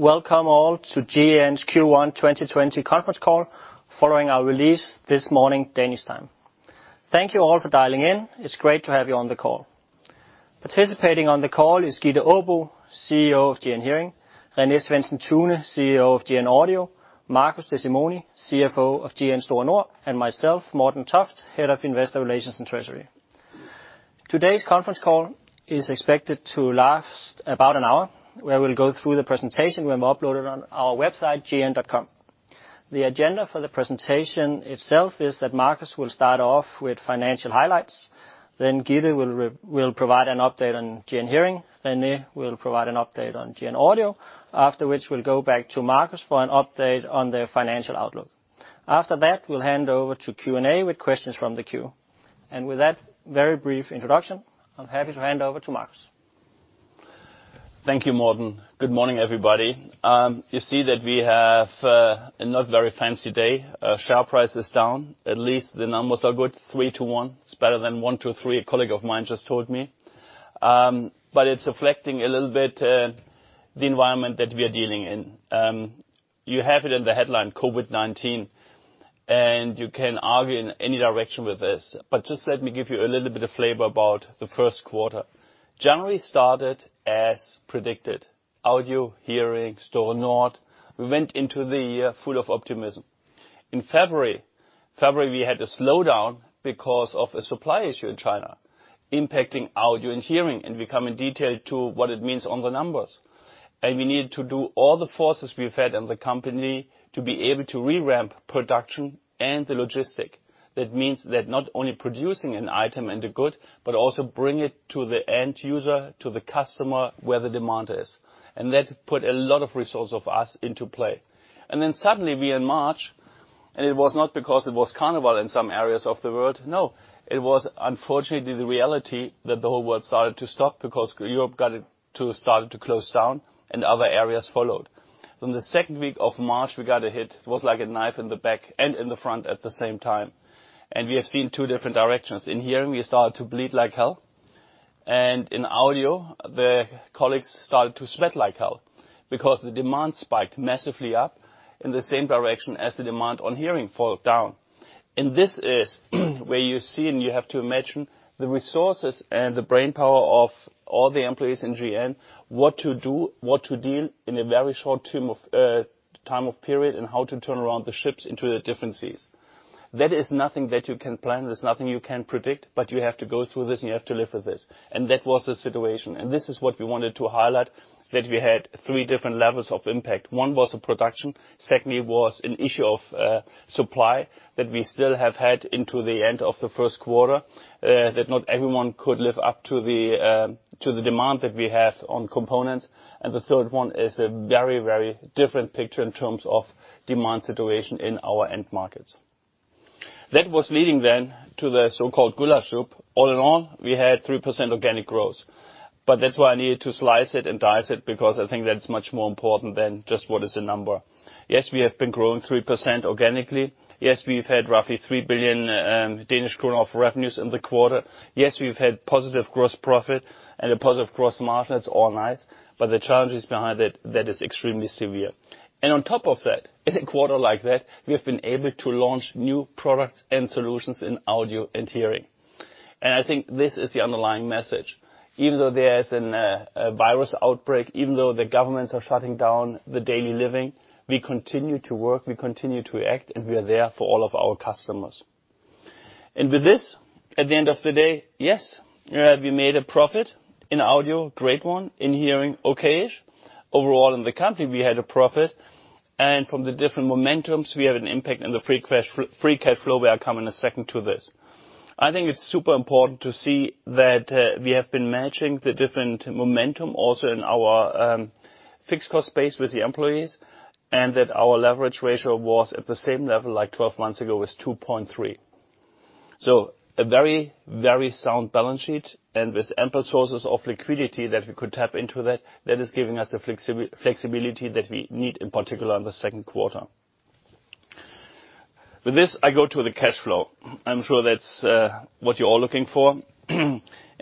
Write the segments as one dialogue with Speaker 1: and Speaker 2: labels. Speaker 1: Hello, welcome all to GN's Q1 2020 conference call following our release this morning, Danish time. Thank you all for dialing in. It's great to have you on the call. Participating on the call is Gitte Aabo, CEO of GN Hearing; René Svendsen-Tune, CEO of GN Audio; Marcus Desimoni, CFO of GN Store Nord; and myself, Morten Toft, Head of Investor Relations and Treasury. Today's conference call is expected to last about an hour. We will go through the presentation when we upload it on our website, gn.com. The agenda for the presentation itself is that Marcus will start off with financial highlights, then Gitte will provide an update on GN Hearing, René will provide an update on GN Audio, after which we'll go back to Marcus for an update on the financial outlook. After that, we'll hand over to Q&A with questions from the queue. With that very brief introduction, I'm happy to hand over to Marcus.
Speaker 2: Thank you, Morten. Good morning, everybody. You see that we have a not very fancy day. Share price is down. At least the numbers are good, three to one. It's better than one to three, a colleague of mine just told me. But it's reflecting a little bit the environment that we are dealing in. You have it in the headline, COVID-19, and you can argue in any direction with this. But just let me give you a little bit of flavor about the first quarter. January started as predicted. GN Audio, GN Hearing, GN Store Nord, we went into the year full of optimism. In February, we had a slowdown because of a supply issue in China impacting GN Audio and GN Hearing, and we come in detail to what it means on the numbers. And we needed to do all the forces we've had in the company to be able to re-ramp production and the logistics. That means that not only producing an item and a good, but also bring it to the end user, to the customer where the demand is. And that put a lot of resources of us into play. And then suddenly we in March, and it was not because it was carnival in some areas of the world, no. It was unfortunately the reality that the whole world started to stop because Europe got it to start to close down and other areas followed. In the second week of March, we got a hit. It was like a knife in the back and in the front at the same time. And we have seen two different directions. In Hearing, we started to bleed like hell. And in Audio, the colleagues started to sweat like hell because the demand spiked massively up in the same direction as the demand in Hearing fell down. And this is where you see and you have to imagine the resources and the brainpower of all the employees in GN, what to do, what to deal with in a very short time period, and how to turn around the ships into the different seas. That is nothing that you can plan. There's nothing you can predict, but you have to go through this and you have to live with this. And that was the situation. And this is what we wanted to highlight, that we had three different levels of impact. One was the production. there was an issue of supply that we still have had into the end of the first quarter, that not everyone could live up to the demand that we have on components. The third one is a very, very different picture in terms of demand situation in our end markets. That was leading then to the so-called goulasch soup. All in all, we had 3% organic growth. But that's why I needed to slice it and dice it because I think that's much more important than just what is the number. Yes, we have been growing 3% organically. Yes, we've had roughly 3 billion Danish kroner of revenues in the quarter. Yes, we've had positive gross profit and a positive gross margin. It's all nice. But the challenges behind that, that is extremely severe. On top of that, in a quarter like that, we have been able to launch new products and solutions in Audio and Hearing. I think this is the underlying message. Even though there is a virus outbreak, even though the governments are shutting down the daily living, we continue to work, we continue to act, and we are there for all of our customers. With this, at the end of the day, yes, we made a profit in Audio, great one. In Hearing, okay-ish. Overall, in the company, we had a profit. From the different momentums, we have an impact in the free cash flow. We'll come in a second to this. I think it's super important to see that we have been matching the different momentum also in our fixed cost space with the employees and that our leverage ratio was at the same level like 12 months ago was 2.3, so a very, very sound balance sheet and with ample sources of liquidity that we could tap into that, that is giving us the flexibility that we need in particular in the second quarter. With this, I go to the cash flow. I'm sure that's what you're all looking for, and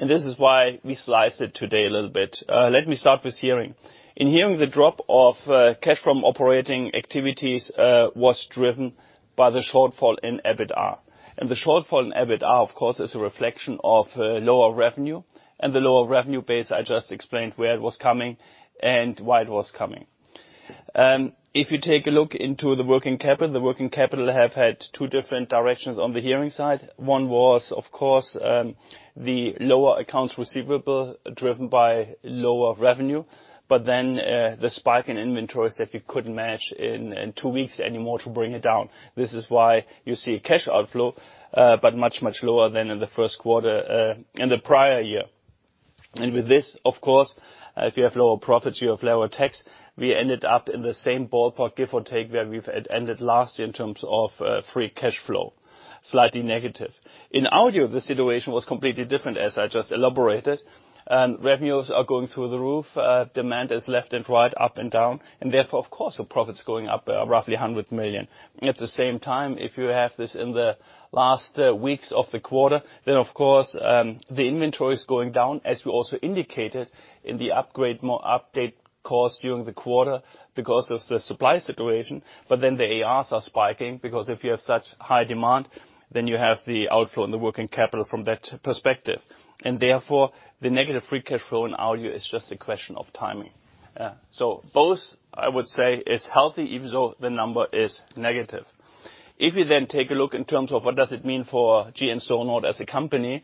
Speaker 2: this is why we sliced it today a little bit. Let me start with Hearing. In Hearing, the drop of cash from operating activities was driven by the shortfall in EBITA. And the shortfall in EBITA, of course, is a reflection of lower revenue and the lower revenue base. I just explained where it was coming and why it was coming. If you take a look into the working capital, the working capital have had two different directions on the Hearing side. One was, of course, the lower accounts receivable driven by lower revenue, but then the spike in inventories that we couldn't match in two weeks anymore to bring it down. This is why you see cash outflow, but much, much lower than in the first quarter in the prior year, and with this, of course, if you have lower profits, you have lower tax. We ended up in the same ballpark, give or take, where we've ended last year in terms of free cash flow, slightly negative. In Audio, the situation was completely different, as I just elaborated. Revenues are going through the roof. Demand is left and right, up and down. And therefore, of course, the profit's going up by roughly 100 million. At the same time, if you have this in the last weeks of the quarter, then, of course, the inventory is going down, as we also indicated in the update, costs during the quarter because of the supply situation. But then the ARs are spiking because if you have such high demand, then you have the outflow in the working capital from that perspective. And therefore, the negative free cash flow in Audio is just a question of timing. So both, I would say, is healthy, even though the number is negative. If you then take a look in terms of what does it mean for GN Store Nord as a company,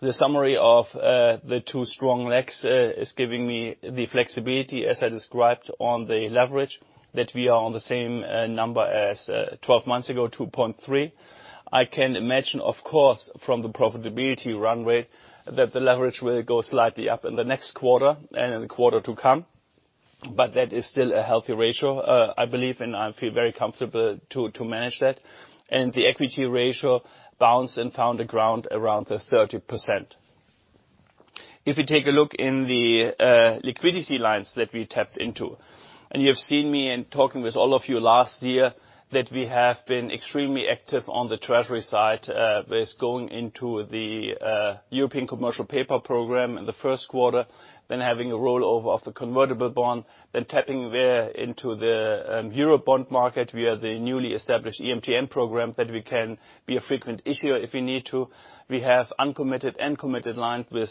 Speaker 2: the summary of the two strong legs is giving me the flexibility, as I described on the leverage, that we are on the same number as 12 months ago, 2.3. I can imagine, of course, from the profitability run rate, that the leverage will go slightly up in the next quarter and in the quarter to come. But that is still a healthy ratio, I believe, and I feel very comfortable to manage that. And the equity ratio bounced and found a ground around the 30%. If you take a look at the liquidity lines that we tapped into, and you've seen me talking with all of you last year that we have been extremely active on the treasury side with going into the European Commercial Paper Program in the first quarter, then having a rollover of the convertible bond, then tapping into the euro bond market via the newly established EMTN program that we can be a frequent issuer if we need to. We have uncommitted and committed lines with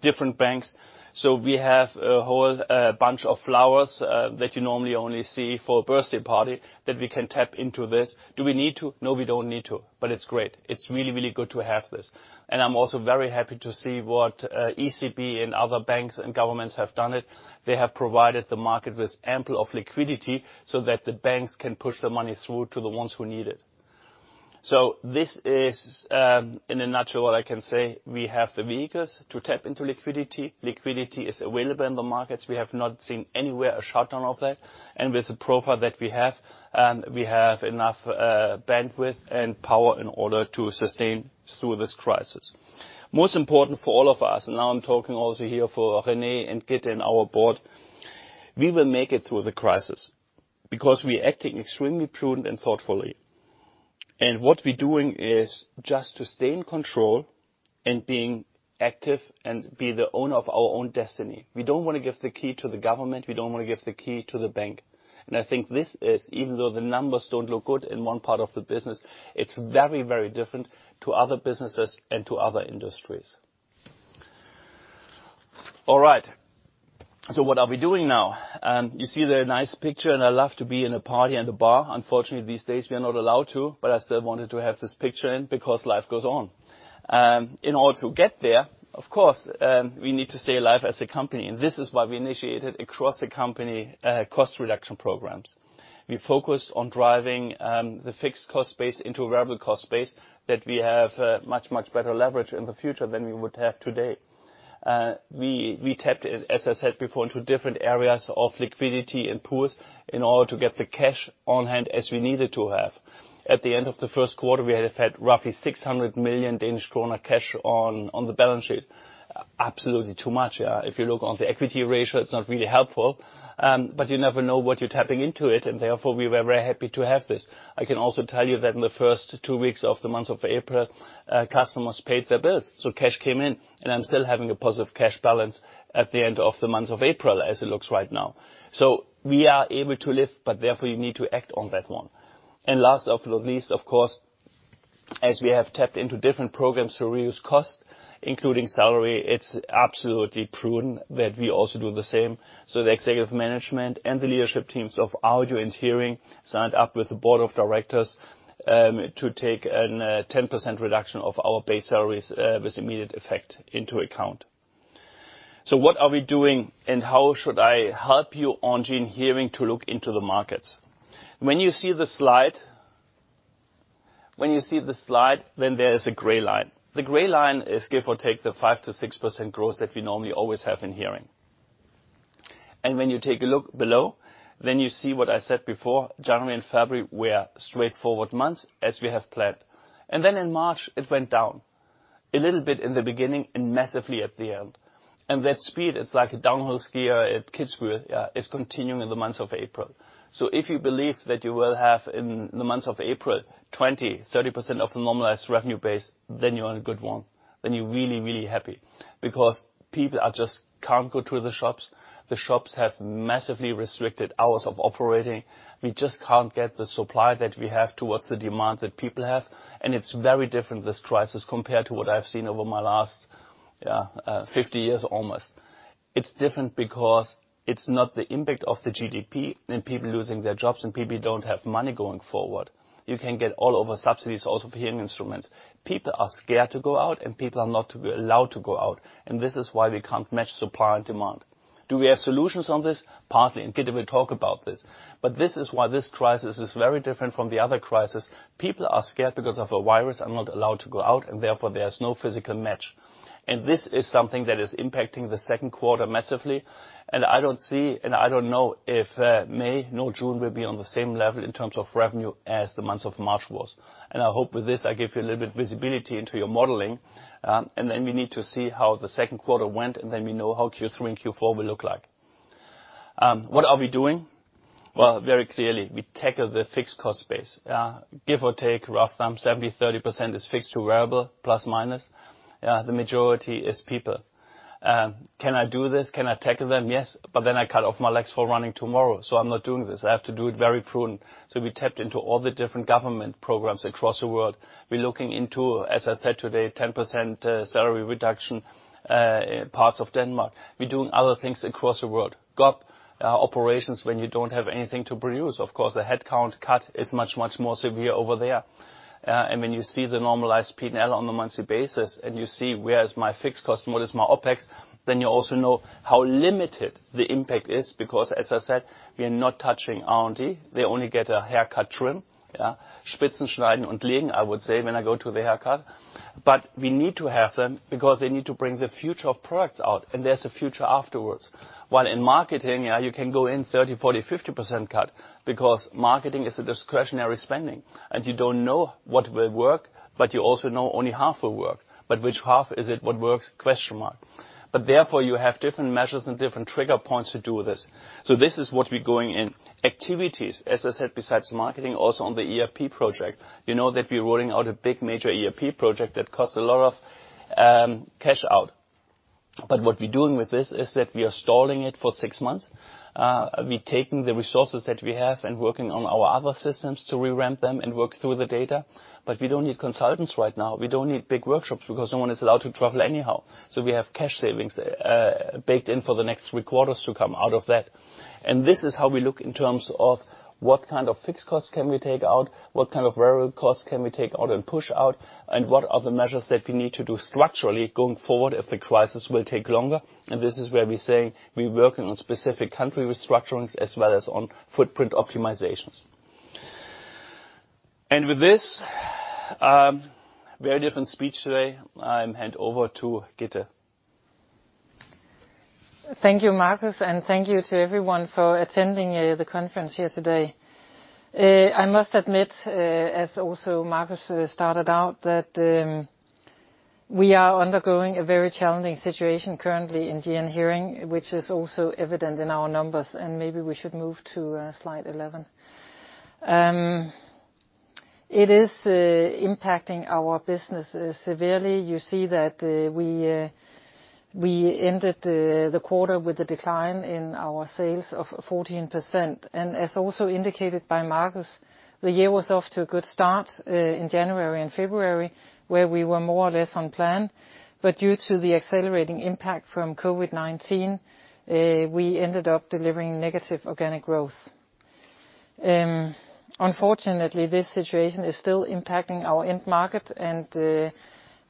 Speaker 2: different banks. So we have a whole bunch of flowers that you normally only see for a birthday party that we can tap into this. Do we need to? No, we don't need to, but it's great. It's really, really good to have this. And I'm also very happy to see what ECB and other banks and governments have done it. They have provided the market with ample liquidity so that the banks can push the money through to the ones who need it. So this is, in a nutshell, what I can say. We have the vehicles to tap into liquidity. Liquidity is available in the markets. We have not seen anywhere a shutdown of that. And with the profile that we have, we have enough bandwidth and power in order to sustain through this crisis. Most important for all of us, and now I'm talking also here for René and Gitte and our board, we will make it through the crisis because we are acting extremely prudent and thoughtfully. And what we're doing is just to stay in control and being active and be the owner of our own destiny. We don't want to give the key to the government. We don't want to give the key to the bank. And I think this is, even though the numbers don't look good in one part of the business, it's very, very different to other businesses and to other industries. All right. So what are we doing now? You see the nice picture, and I love to be in a party and a bar. Unfortunately, these days, we are not allowed to, but I still wanted to have this picture in because life goes on. In order to get there, of course, we need to stay alive as a company. And this is why we initiated across the company cost reduction programs. We focused on driving the fixed cost base into a variable cost base that we have much, much better leverage in the future than we would have today. We tapped, as I said before, into different areas of liquidity and pools in order to get the cash on hand as we needed to have. At the end of the first quarter, we had had roughly 600 million Danish kroner cash on the balance sheet. Absolutely too much. If you look on the equity ratio, it's not really helpful, but you never know what you're tapping into it. And therefore, we were very happy to have this. I can also tell you that in the first two weeks of the month of April, customers paid their bills. So cash came in, and I'm still having a positive cash balance at the end of the month of April, as it looks right now. So we are able to live, but therefore, you need to act on that one. Last but not least, of course, as we have tapped into different programs to reduce cost, including salary, it's absolutely prudent that we also do the same. So the executive management and the leadership teams of Audio and Hearing signed up with the board of directors to take a 10% reduction of our base salaries with immediate effect into account. So what are we doing and how should I help you on GN Hearing to look into the markets? When you see the slide, when you see the slide, then there is a gray line. The gray line is, give or take, the 5%-6% growth that we normally always have in Hearing. And when you take a look below, then you see what I said before. January and February were straightforward months as we have planned. Then in March, it went down a little bit in the beginning and massively at the end. And that speed, it's like a downhill skier at Kitzbühel, is continuing in the months of April. So if you believe that you will have in the months of April 20%-30% of the normalized revenue base, then you're in a good one. Then you're really, really happy because people just can't go to the shops. The shops have massively restricted hours of operating. We just can't get the supply that we have towards the demand that people have. And it's very different, this crisis, compared to what I've seen over my last 50 years almost. It's different because it's not the impact of the GDP and people losing their jobs and people don't have money going forward. You can get all over subsidies, also for hearing instruments. People are scared to go out, and people are not allowed to go out. And this is why we can't match supply and demand. Do we have solutions on this? Partly. And Gitte will talk about this. But this is why this crisis is very different from the other crisis. People are scared because of a virus. I'm not allowed to go out, and therefore, there's no physical match. And this is something that is impacting the second quarter massively. And I don't see and I don't know if May, no, June will be on the same level in terms of revenue as the months of March was. And I hope with this, I give you a little bit of visibility into your modeling. And then we need to see how the second quarter went, and then we know how Q3 and Q4 will look like. What are we doing? Very clearly, we tackle the fixed cost base. Give or take, rule of thumb, 70-30% is fixed to variable, plus minus. The majority is people. Can I do this? Can I tackle them? Yes. But then I cut off my legs for running tomorrow. So I'm not doing this. I have to do it very prudent. So we tapped into all the different government programs across the world. We're looking into, as I said today, 10% salary reduction in parts of Denmark. We're doing other things across the world. GN operations, when you don't have anything to produce, of course, the headcount cut is much, much more severe over there. When you see the normalized P&L on the monthly basis and you see where is my fixed cost and what is my OPEX, then you also know how limited the impact is because, as I said, we are not touching R&D. They only get a haircut trim. Spitzen schneiden und legen, I would say, when I go to the haircut. But we need to have them because they need to bring the future of products out, and there's a future afterwards. While in marketing, you can go in 30%-50% cut because marketing is a discretionary spending, and you don't know what will work, but you also know only half will work. But which half is it? What works? Question mark. But therefore, you have different measures and different trigger points to do this. So this is what we're going in. Activities, as I said, besides marketing, also on the ERP project. You know that we're rolling out a big major ERP project that costs a lot of cash out. But what we're doing with this is that we are stalling it for six months. We're taking the resources that we have and working on our other systems to re-rank them and work through the data. But we don't need consultants right now. We don't need big workshops because no one is allowed to travel anyhow. So we have cash savings baked in for the next three quarters to come out of that. This is how we look in terms of what kind of fixed costs can we take out, what kind of variable costs can we take out and push out, and what are the measures that we need to do structurally going forward if the crisis will take longer. This is where we're saying we're working on specific country restructurings as well as on footprint optimizations. With this, very different speech today. I'm handing over to Gitte.
Speaker 3: As also indicated by Marcus, the year was off to a good start in January and February, where we were more or less on plan. But due to the accelerating impact from COVID-19, we ended up delivering negative organic growth. Unfortunately, this situation is still impacting our end market. And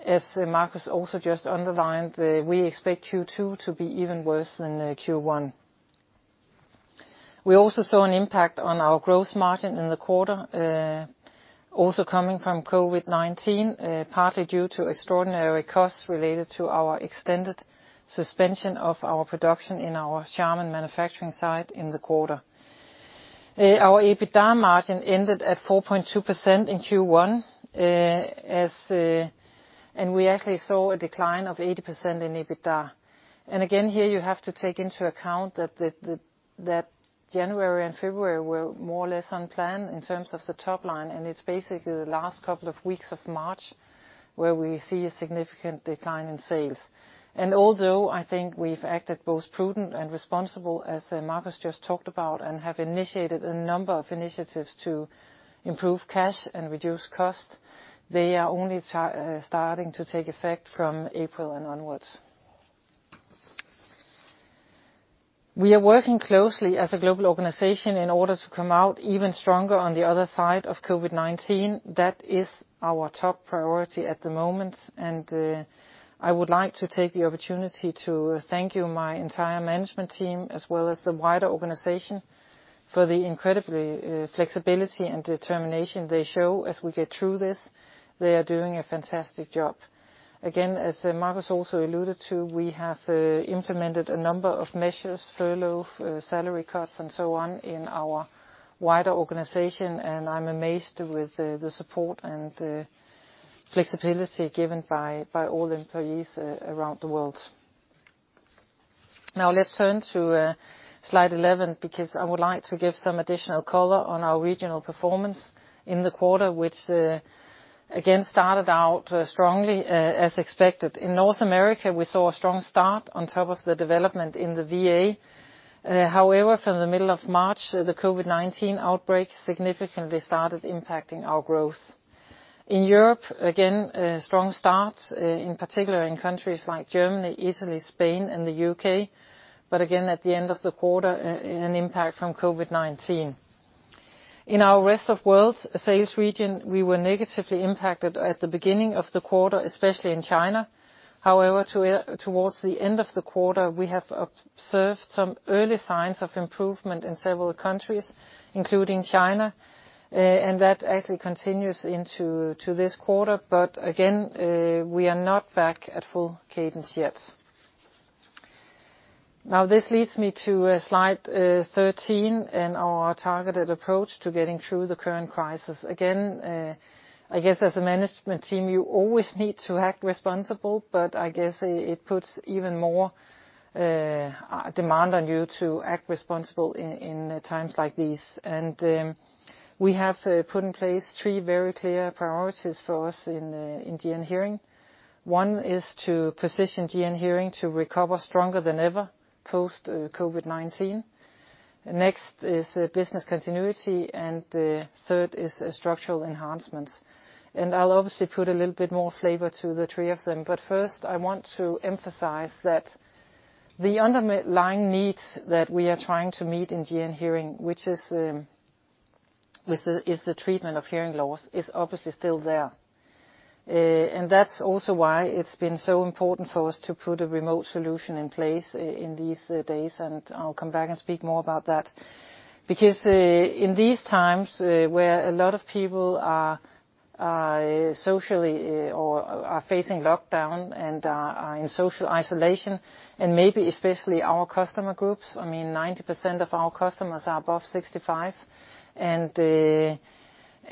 Speaker 3: as Marcus also just underlined, we expect Q2 to be even worse than Q1. We also saw an impact on our gross margin in the quarter, also coming from COVID-19, partly due to extraordinary costs related to our extended suspension of our production in our Xiamen manufacturing site in the quarter. Our EBITDA margin ended at 4.2% in Q1, and we actually saw a decline of 80% in EBITDA. And again, here you have to take into account that January and February were more or less on plan in terms of the top line. It's basically the last couple of weeks of March where we see a significant decline in sales. Although I think we've acted both prudent and responsible, as Marcus just talked about, and have initiated a number of initiatives to improve cash and reduce cost, they are only starting to take effect from April and onwards. We are working closely as a global organization in order to come out even stronger on the other side of COVID-19. That is our top priority at the moment. I would like to take the opportunity to thank you, my entire management team, as well as the wider organization, for the incredible flexibility and determination they show as we get through this. They are doing a fantastic job. Again, as Marcus also alluded to, we have implemented a number of measures, furlough, salary cuts, and so on in our wider organization. I'm amazed with the support and flexibility given by all employees around the world. Now, let's turn to slide 11 because I would like to give some additional color on our regional performance in the quarter, which again started out strongly as expected. In North America, we saw a strong start on top of the development in the VA. However, from the middle of March, the COVID-19 outbreak significantly started impacting our growth. In Europe, again, strong start, in particular in countries like Germany, Italy, Spain, and the U.K. But again, at the end of the quarter, an impact from COVID-19. In our rest of world sales region, we were negatively impacted at the beginning of the quarter, especially in China. However, towards the end of the quarter, we have observed some early signs of improvement in several countries, including China. That actually continues into this quarter. But again, we are not back at full cadence yet. Now, this leads me to slide 13 and our targeted approach to getting through the current crisis. Again, I guess as a management team, you always need to act responsible, but I guess it puts even more demand on you to act responsible in times like these. And we have put in place three very clear priorities for us in GN Hearing. One is to position GN Hearing to recover stronger than ever post-COVID-19. Next is business continuity, and third is structural enhancements. And I'll obviously put a little bit more flavor to the three of them. But first, I want to emphasize that the underlying needs that we are trying to meet in GN Hearing, which is the treatment of hearing loss, is obviously still there. And that's also why it's been so important for us to put a remote solution in place in these days, and I'll come back and speak more about that because in these times where a lot of people are socially or are facing lockdown and are in social isolation, and maybe especially our customer groups, I mean, 90% of our customers are above 65 and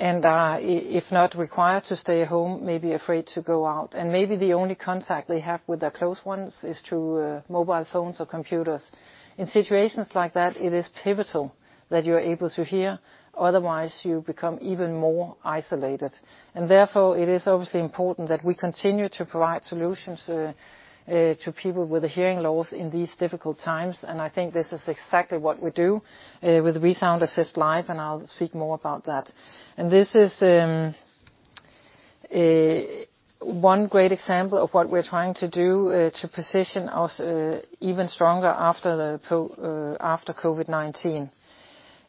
Speaker 3: are, if not required to stay at home, maybe afraid to go out, and maybe the only contact they have with their close ones is through mobile phones or computers. In situations like that, it is pivotal that you're able to hear. Otherwise, you become even more isolated, and therefore, it is obviously important that we continue to provide solutions to people with hearing loss in these difficult times. And I think this is exactly what we do with ReSound Assist Live, and I'll speak more about that. And this is one great example of what we're trying to do to position us even stronger after COVID-19.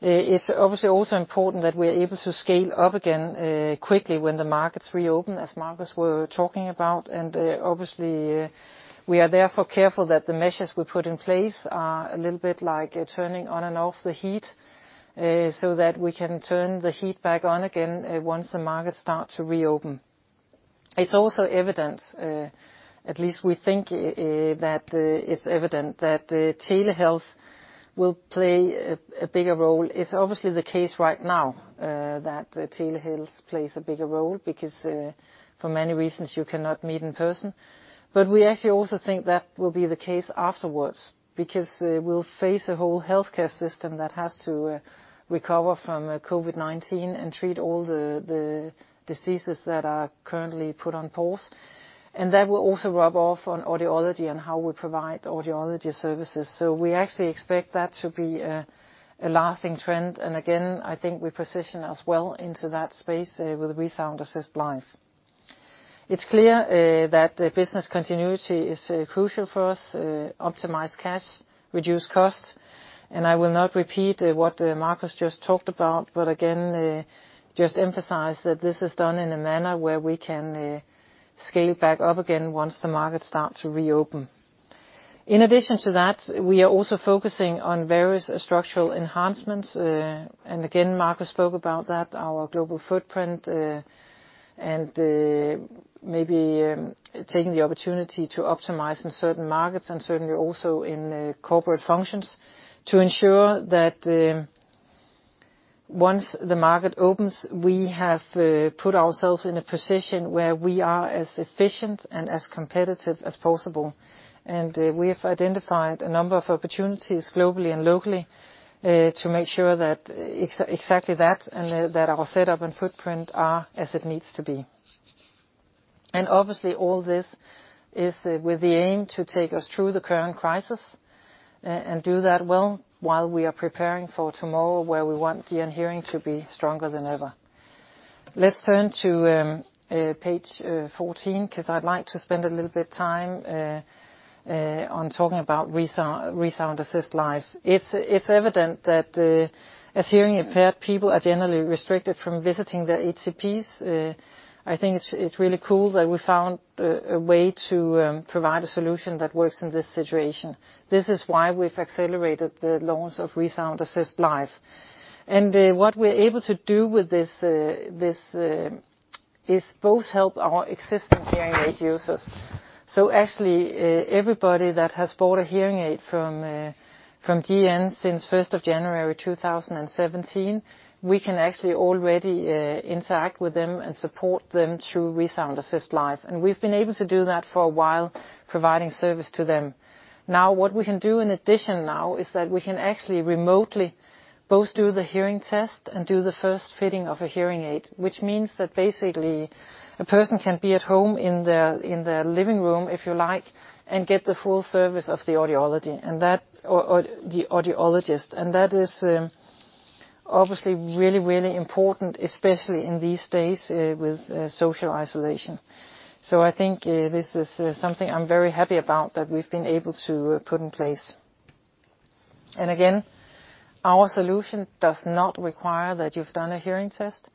Speaker 3: It's obviously also important that we are able to scale up again quickly when the markets reopen, as Marcus were talking about. And obviously, we are therefore careful that the measures we put in place are a little bit like turning on and off the heat so that we can turn the heat back on again once the markets start to reopen. It's also evident, at least we think that it's evident, that telehealth will play a bigger role. It's obviously the case right now that telehealth plays a bigger role because for many reasons you cannot meet in person. But we actually also think that will be the case afterwards because we'll face a whole healthcare system that has to recover from COVID-19 and treat all the diseases that are currently put on pause. And that will also rub off on audiology and how we provide audiology services. So we actually expect that to be a lasting trend. And again, I think we position ourselves well into that space with ReSound Assist Live. It's clear that business continuity is crucial for us: optimize cash, reduce cost. And I will not repeat what Marcus just talked about, but again, just emphasize that this is done in a manner where we can scale back up again once the markets start to reopen. In addition to that, we are also focusing on various structural enhancements. Again, Marcus spoke about that, our global footprint, and maybe taking the opportunity to optimize in certain markets and certainly also in corporate functions to ensure that once the market opens, we have put ourselves in a position where we are as efficient and as competitive as possible. We have identified a number of opportunities globally and locally to make sure that exactly that and that our setup and footprint are as it needs to be. Obviously, all this is with the aim to take us through the current crisis and do that well while we are preparing for tomorrow where we want GN Hearing to be stronger than ever. Let's turn to page 14 because I'd like to spend a little bit of time on talking about ReSound Assist Live. It's evident that as hearing-impaired people are generally restricted from visiting their HCPs. I think it's really cool that we found a way to provide a solution that works in this situation. This is why we've accelerated the launch of ReSound Assist Live, and what we're able to do with this is both help our existing hearing aid users, so actually, everybody that has bought a hearing aid from GN since 1st of January 2017, we can actually already interact with them and support them through ReSound Assist Live, and we've been able to do that for a while, providing service to them. Now, what we can do in addition now is that we can actually remotely both do the Hearing test and do the first fitting of a hearing aid, which means that basically a person can be at home in their living room, if you like, and get the full service of the audiologist and that is obviously really, really important, especially in these days with social isolation. So I think this is something I'm very happy about that we've been able to put in place. And again, our solution does not require that you've done aearing test.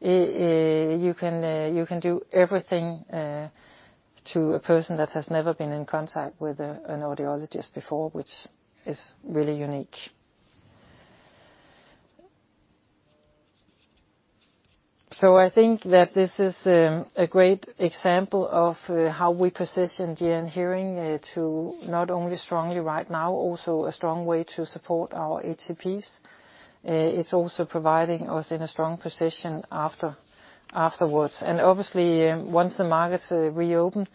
Speaker 3: You can do everything to a person that has never been in contact with an audiologist before, which is really unique. So I think that this is a great example of how we position GN Hearing to not only strongly right now, also a strong way to support our HCPs. It's also providing us in a strong position afterwards, and obviously, once the markets reopen,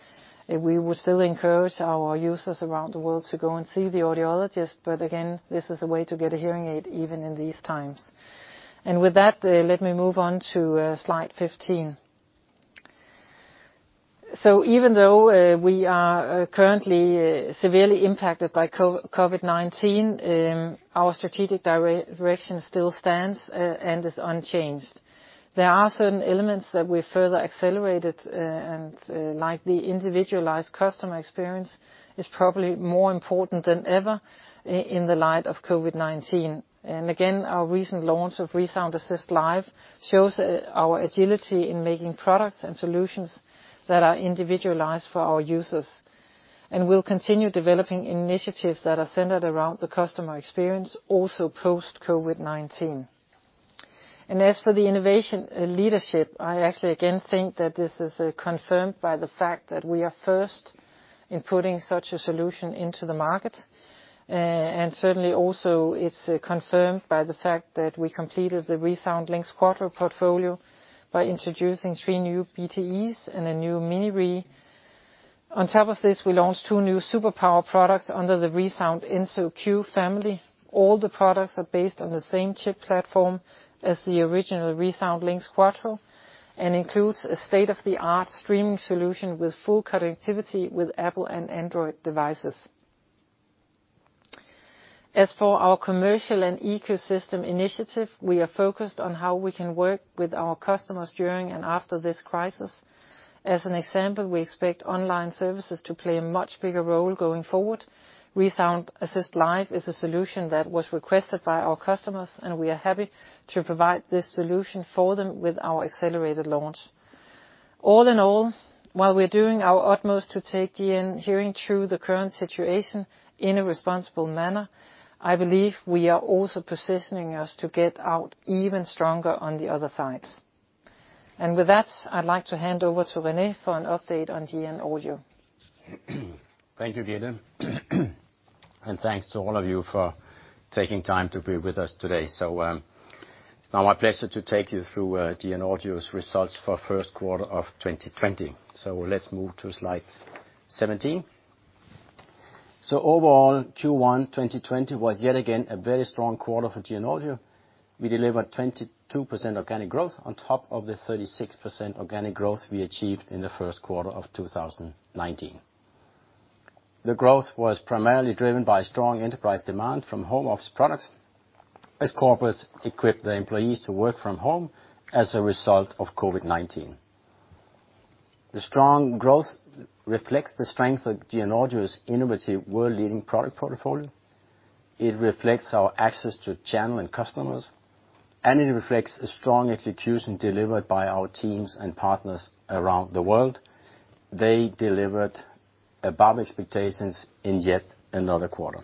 Speaker 3: we would still encourage our users around the world to go and see the audiologist, but again, this is a way to get a hearing aid even in these times, and with that, let me move on to slide 15, so even though we are currently severely impacted by COVID-19, our strategic direction still stands and is unchanged. There are certain elements that we've further accelerated, and like the individualized customer experience is probably more important than ever in the light of COVID-19, and again, our recent launch of ReSound Assist Live shows our agility in making products and solutions that are individualized for our users, and we'll continue developing initiatives that are centered around the customer experience, also post-COVID-19. As for the innovation leadership, I actually again think that this is confirmed by the fact that we are first in putting such a solution into the market. Certainly also, it's confirmed by the fact that we completed the ReSound LiNX Quattro portfolio by introducing three new BTEs and a new Mini-RIE. On top of this, we launched two new super power products under the ReSound ENZO Q family. All the products are based on the same chip platform as the original ReSound LiNX Quattro and includes a state-of-the-art streaming solution with full connectivity with Apple and Android devices. As for our commercial and ecosystem initiative, we are focused on how we can work with our customers during and after this crisis. As an example, we expect online services to play a much bigger role going forward. ReSound Assist Live is a solution that was requested by our customers, and we are happy to provide this solution for them with our accelerated launch. All in all, while we're doing our utmost to take GN Hearing through the current situation in a responsible manner, I believe we are also positioning us to get out even stronger on the other sides. And with that, I'd like to hand over to René for an update on GN Audio.
Speaker 4: Thank you, Gitte. And thanks to all of you for taking time to be with us today. So it's now my pleasure to take you through GN Audio's results for first quarter of 2020. So let's move to slide 17. So overall, Q1 2020 was yet again a very strong quarter for GN Audio. We delivered 22% organic growth on top of the 36% organic growth we achieved in the first quarter of 2019. The growth was primarily driven by strong enterprise demand from home office products as corporates equipped their employees to work from home as a result of COVID-19. The strong growth reflects the strength of GN Audio's innovative world-leading product portfolio. It reflects our access to channel and customers, and it reflects a strong execution delivered by our teams and partners around the world. They delivered above expectations in yet another quarter.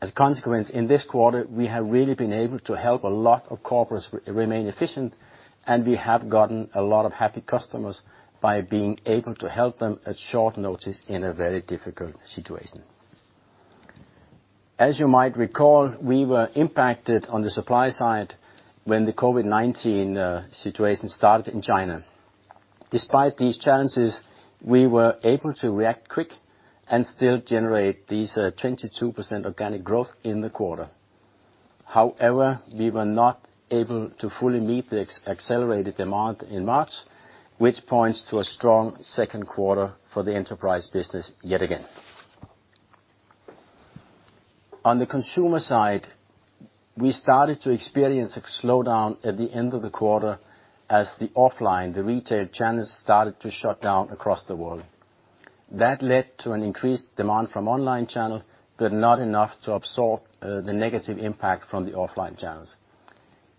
Speaker 4: As a consequence, in this quarter, we have really been able to help a lot of corporates remain efficient, and we have gotten a lot of happy customers by being able to help them at short notice in a very difficult situation. As you might recall, we were impacted on the supply side when the COVID-19 situation started in China. Despite these challenges, we were able to react quick and still generate these 22% organic growth in the quarter. However, we were not able to fully meet the accelerated demand in March, which points to a strong second quarter for the enterprise business yet again. On the consumer side, we started to experience a slowdown at the end of the quarter as the offline retail channels started to shut down across the world. That led to an increased demand from online channels, but not enough to absorb the negative impact from the offline channels.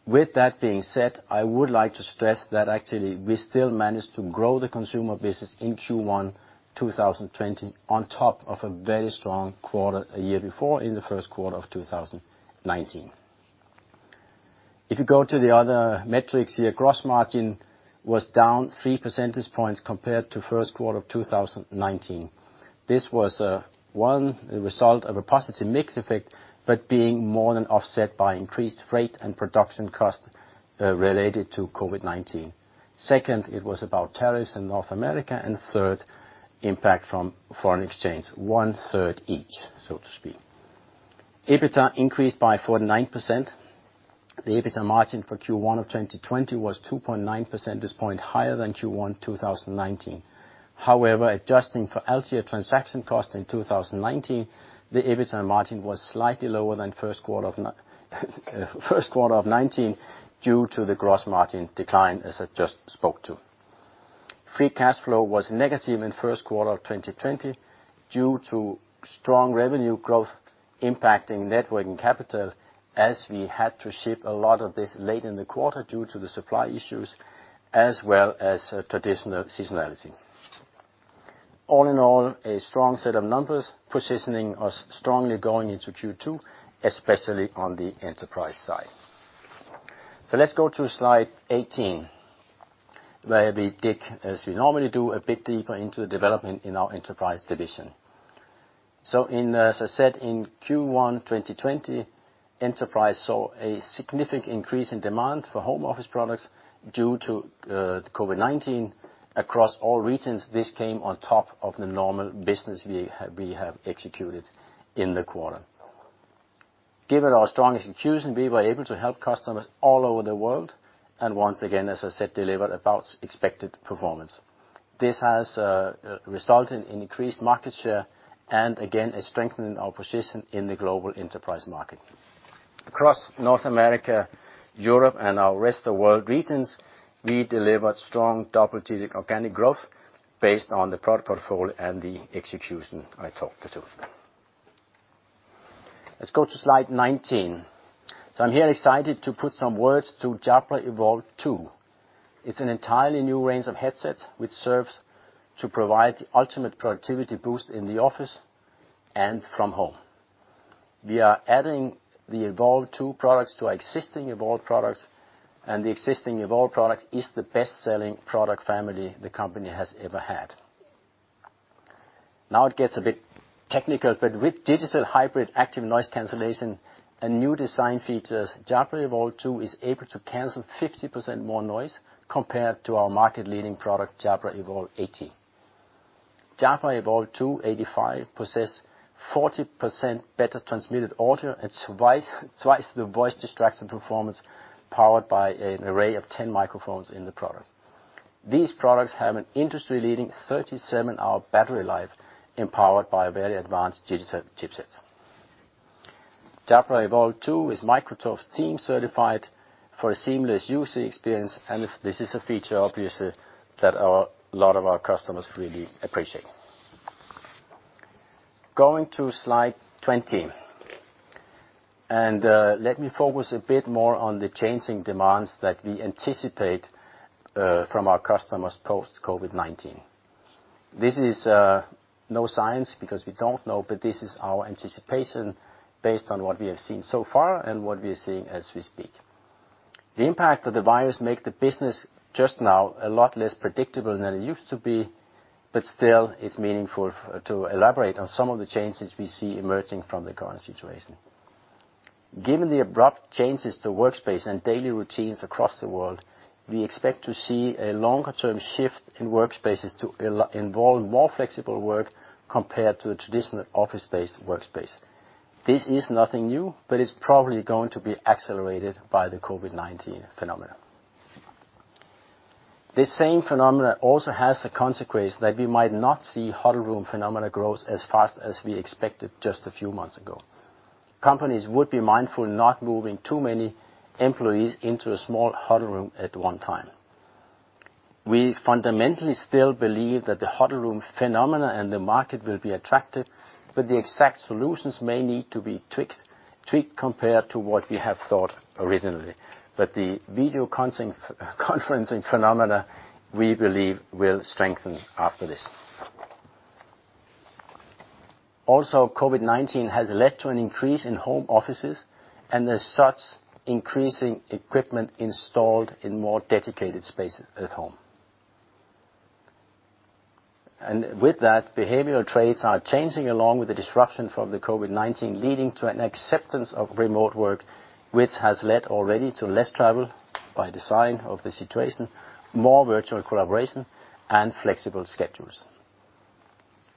Speaker 4: With that being said, I would like to stress that actually we still managed to grow the consumer business in Q1 2020 on top of a very strong quarter a year before in the first quarter of 2019. If you go to the other metrics here, gross margin was down 3 percentage points compared to first quarter of 2019. This was, one, the result of a positive mix effect, but being more than offset by increased freight and production costs related to COVID-19. Second, it was about tariffs in North America. And third, impact from foreign exchange, one-third each, so to speak. EBITDA increased by 49%. The EBITDA margin for Q1 of 2020 was 2.9 percentage points higher than Q1 2019. However, adjusting for Altia transaction cost in 2019, the EBITDA margin was slightly lower than first quarter of 2019 due to the gross margin decline as I just spoke to. Free cash flow was negative in first quarter of 2020 due to strong revenue growth impacting working capital as we had to ship a lot of this late in the quarter due to the supply issues as well as traditional seasonality. All in all, a strong set of numbers positioning us strongly going into Q2, especially on the enterprise side. So let's go to slide 18, where we dig, as we normally do, a bit deeper into the development in our enterprise division. So as I said, in Q1 2020, enterprise saw a significant increase in demand for home office products due to COVID-19 across all regions. This came on top of the normal business we have executed in the quarter. Given our strong execution, we were able to help customers all over the world. And once again, as I said, delivered about expected performance. This has resulted in increased market share and again, a strengthening of position in the global enterprise market. Across North America, Europe, and our rest of the world regions, we delivered strong double-digit organic growth based on the product portfolio and the execution I talked to. Let's go to slide 19. So I'm excited to put some words to Jabra Evolve2. It's an entirely new range of headsets which serves to provide the ultimate productivity boost in the office and from home. We are adding the Evolve2 products to our existing Evolve products, and the existing Evolve product is the best-selling product family the company has ever had. Now it gets a bit technical, but with digital hybrid active noise cancellation and new design features, Jabra Evolve2 is able to cancel 50% more noise compared to our market-leading product, Jabra Evolve 80. Jabra Evolve2 85 possesses 40% better transmitted audio and twice the voice distraction performance powered by an array of 10 microphones in the product. These products have an industry-leading 37-hour battery life empowered by very advanced digital chipsets. Jabra Evolve2 is Microsoft Teams certified for a seamless user experience, and this is a feature, obviously, that a lot of our customers really appreciate. Going to slide 20, and let me focus a bit more on the changing demands that we anticipate from our customers post-COVID-19. This is no science because we don't know, but this is our anticipation based on what we have seen so far and what we are seeing as we speak. The impact of the virus makes the business just now a lot less predictable than it used to be, but still, it's meaningful to elaborate on some of the changes we see emerging from the current situation. Given the abrupt changes to workspace and daily routines across the world, we expect to see a longer-term shift in workspaces to involve more flexible work compared to the traditional office-based workspace. This is nothing new, but it's probably going to be accelerated by the COVID-19 phenomenon. This same phenomenon also has the consequence that we might not see huddle room phenomena grow as fast as we expected just a few months ago. Companies would be mindful not moving too many employees into a small huddle room at one time. We fundamentally still believe that the huddle room phenomena and the market will be attractive, but the exact solutions may need to be tweaked compared to what we have thought originally, but the video conferencing phenomena, we believe, will strengthen after this, also, COVID-19 has led to an increase in home offices, and there's such increasing equipment installed in more dedicated spaces at home, and with that, behavioral traits are changing along with the disruption from the COVID-19, leading to an acceptance of remote work, which has led already to less travel by design of the situation, more virtual collaboration, and flexible schedules.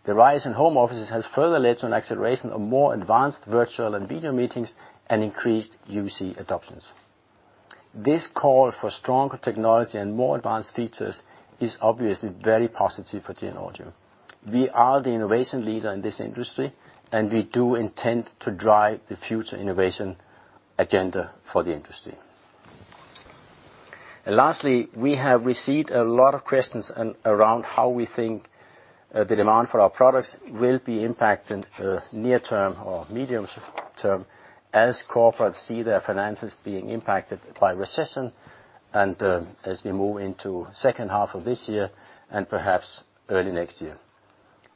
Speaker 4: The rise in home offices has further led to an acceleration of more advanced virtual and video meetings and increased UC adoptions. This call for stronger technology and more advanced features is obviously very positive for GN Audio. We are the innovation leader in this industry, and we do intend to drive the future innovation agenda for the industry. And lastly, we have received a lot of questions around how we think the demand for our products will be impacted near-term or medium-term as corporates see their finances being impacted by recession and as they move into second half of this year and perhaps early next year.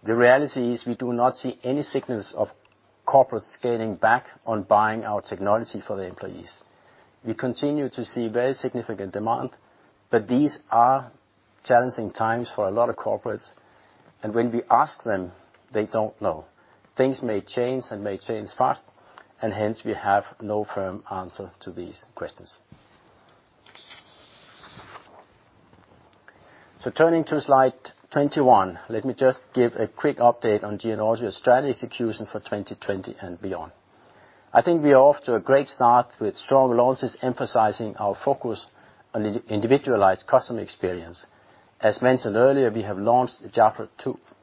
Speaker 4: The reality is we do not see any signals of corporates scaling back on buying our technology for their employees. We continue to see very significant demand, but these are challenging times for a lot of corporates. And when we ask them, they don't know. Things may change and may change fast, and hence we have no firm answer to these questions. So turning to slide 21, let me just give a quick update on GN Audio's strategy execution for 2020 and beyond. I think we are off to a great start with strong launches emphasizing our focus on individualized customer experience. As mentioned earlier, we have launched Jabra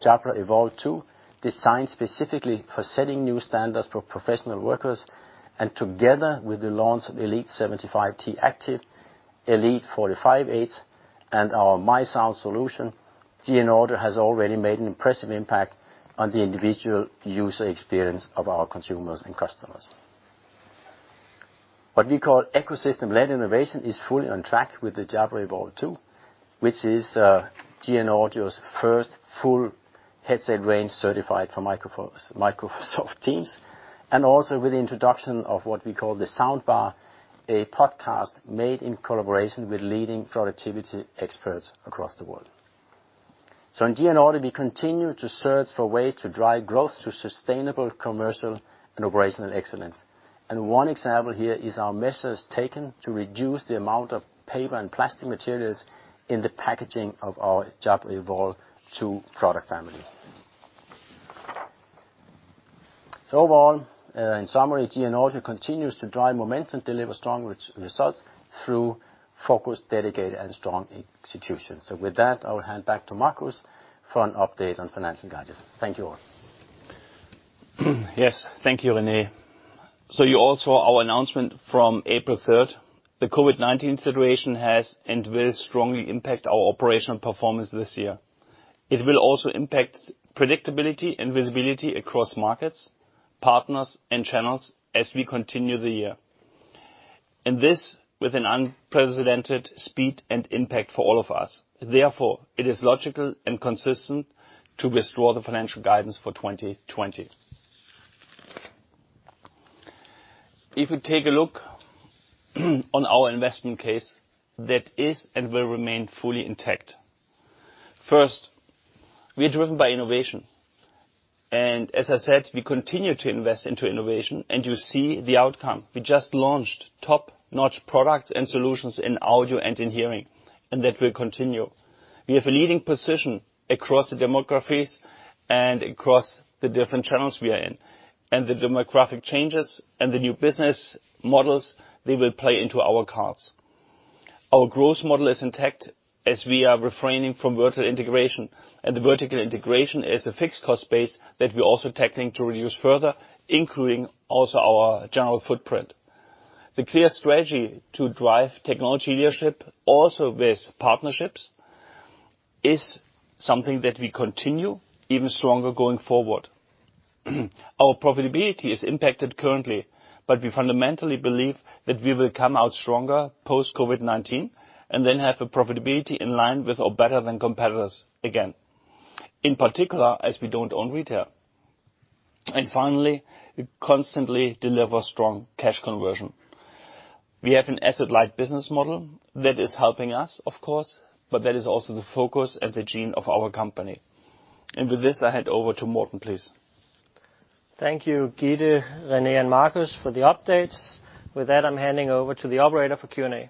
Speaker 4: Evolve2, designed specifically for setting new standards for professional workers. And together with the launch of Elite Active 75t, Elite 45h, and our MySound solution, GN Audio has already made an impressive impact on the individual user experience of our consumers and customers. What we call ecosystem-led innovation is fully on track with the Jabra Evolve2, which is GN Audio's first full headset range certified for Microsoft Teams. And also with the introduction of what we call the Soundbar, a podcast made in collaboration with leading productivity experts across the world. So in GN Audio, we continue to search for ways to drive growth through sustainable commercial and operational excellence. And one example here is our measures taken to reduce the amount of paper and plastic materials in the packaging of our Jabra Evolve2 product family. So overall, in summary, GN Audio continues to drive momentum, deliver strong results through focus, dedicated, and strong execution. So with that, I will hand back to Marcus for an update on finance and guidance. Thank you all.
Speaker 2: Yes, thank you, René. So you all saw our announcement from April 3rd. The COVID-19 situation has and will strongly impact our operational performance this year. It will also impact predictability and visibility across markets, partners, and channels as we continue the year. And this with an unprecedented speed and impact for all of us. Therefore, it is logical and consistent to restore the financial guidance for 2020. If we take a look on our investment case, that is and will remain fully intact. First, we are driven by innovation. And as I said, we continue to invest into innovation, and you see the outcome. We just launched top-notch products and solutions in Audio and in Hearing, and that will continue. We have a leading position across the demographics and across the different channels we are in. The demographic changes and the new business models, they will play into our cards. Our growth model is intact as we are refraining from vertical integration. The vertical integration is a fixed cost base that we are also tackling to reduce further, including also our general footprint. The clear strategy to drive technology leadership, also with partnerships, is something that we continue even stronger going forward. Our profitability is impacted currently, but we fundamentally believe that we will come out stronger post-COVID-19 and then have a profitability in line with or better than competitors again, in particular as we don't own retail. And finally, we constantly deliver strong cash conversion. We have an asset-light business model that is helping us, of course, but that is also the focus and the gene of our company. And with this, I hand over to Morten, please.
Speaker 1: Thank you, Gitte, René, and Marcus for the updates. With that, I'm handing over to the operator for Q&A.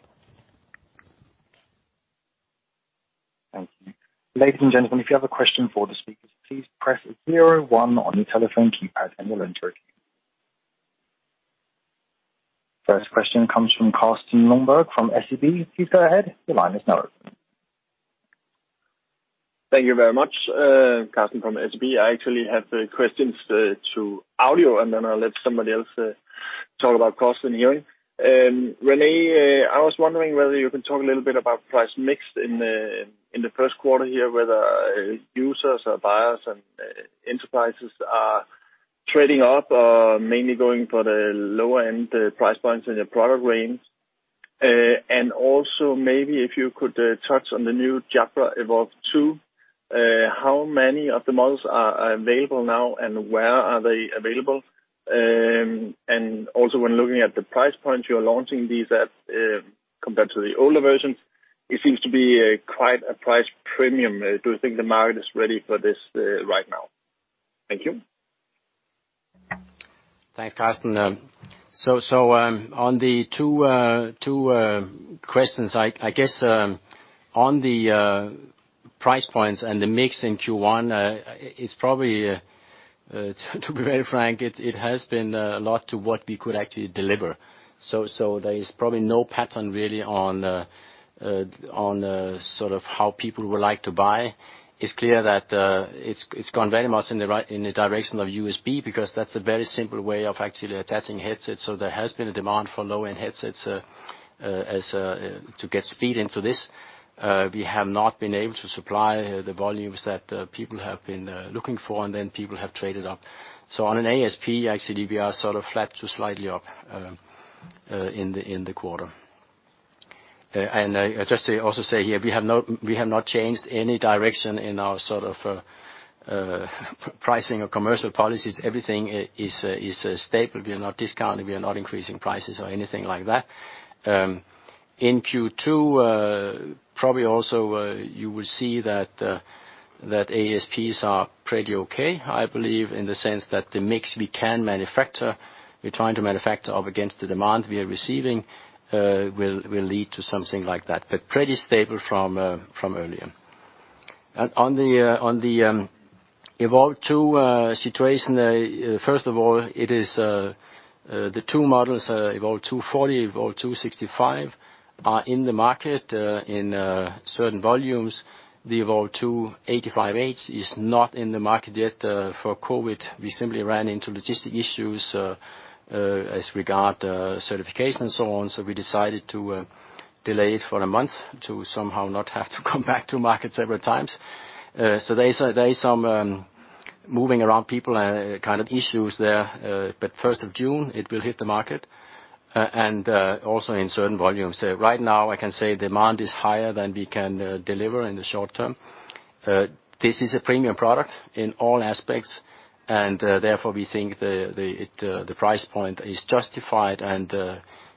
Speaker 5: Thank you. Ladies and gentlemen, if you have a question for the speakers, please press 01 on your telephone keypad and you'll enter a queue. First question comes from Carsten Lønborg from SEB. Please go ahead. Your line is now open. Thank you very much, Carsten from SEB. I actually have questions to Audio, and then I'll let somebody else talk about cost and Hearing. René, I was wondering whether you can talk a little bit about price mix in the first quarter here, whether users or buyers and enterprises are trading up or mainly going for the lower-end price points in your product range. And also maybe if you could touch on the new Jabra Evolve2, how many of the models are available now and where are they available? And also when looking at the price points you're launching these at compared to the older versions, it seems to be quite a price premium. Do you think the market is ready for this right now? Thank you.
Speaker 4: Thanks, Carsten. So on the two questions, I guess on the price points and the mix in Q1, it's probably, to be very frank, it has been a lot to what we could actually deliver. So there is probably no pattern really on sort of how people would like to buy. It's clear that it's gone very much in the direction of USB because that's a very simple way of actually attaching headsets. So there has been a demand for low-end headsets to get speed into this. We have not been able to supply the volumes that people have been looking for, and then people have traded up. So on an ASP, actually, we are sort of flat to slightly up in the quarter. And just to also say here, we have not changed any direction in our sort of pricing or commercial policies. Everything is stable. We are not discounting. We are not increasing prices or anything like that. In Q2, probably also you will see that ASPs are pretty okay, I believe, in the sense that the mix we can manufacture, we're trying to manufacture up against the demand we are receiving, will lead to something like that, but pretty stable from earlier. On the Evolve2 situation, first of all, the two models, Evolve2 40, Evolve2 65, are in the market in certain volumes. The Evolve2 85 is not in the market yet for COVID. We simply ran into logistic issues as regards certification and so on, so we decided to delay it for a month to somehow not have to come back to market several times. So there is some moving around people and kind of issues there, but 1st of June, it will hit the market and also in certain volumes. Right now, I can say demand is higher than we can deliver in the short term. This is a premium product in all aspects, and therefore we think the price point is justified, and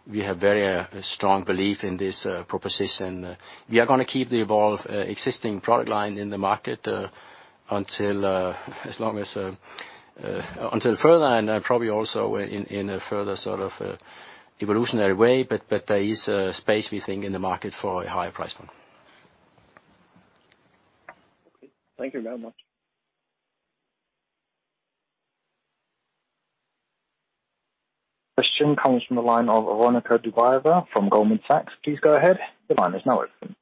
Speaker 4: we have very strong belief in this proposition. We are going to keep the Evolve existing product line in the market until further and probably also in a further sort of evolutionary way, but there is space, we think, in the market for a higher price point.
Speaker 5: Okay. Thank you very much. Question comes from the line of Veronika Dubajova from Goldman Sachs. Please go ahead. The line is now open.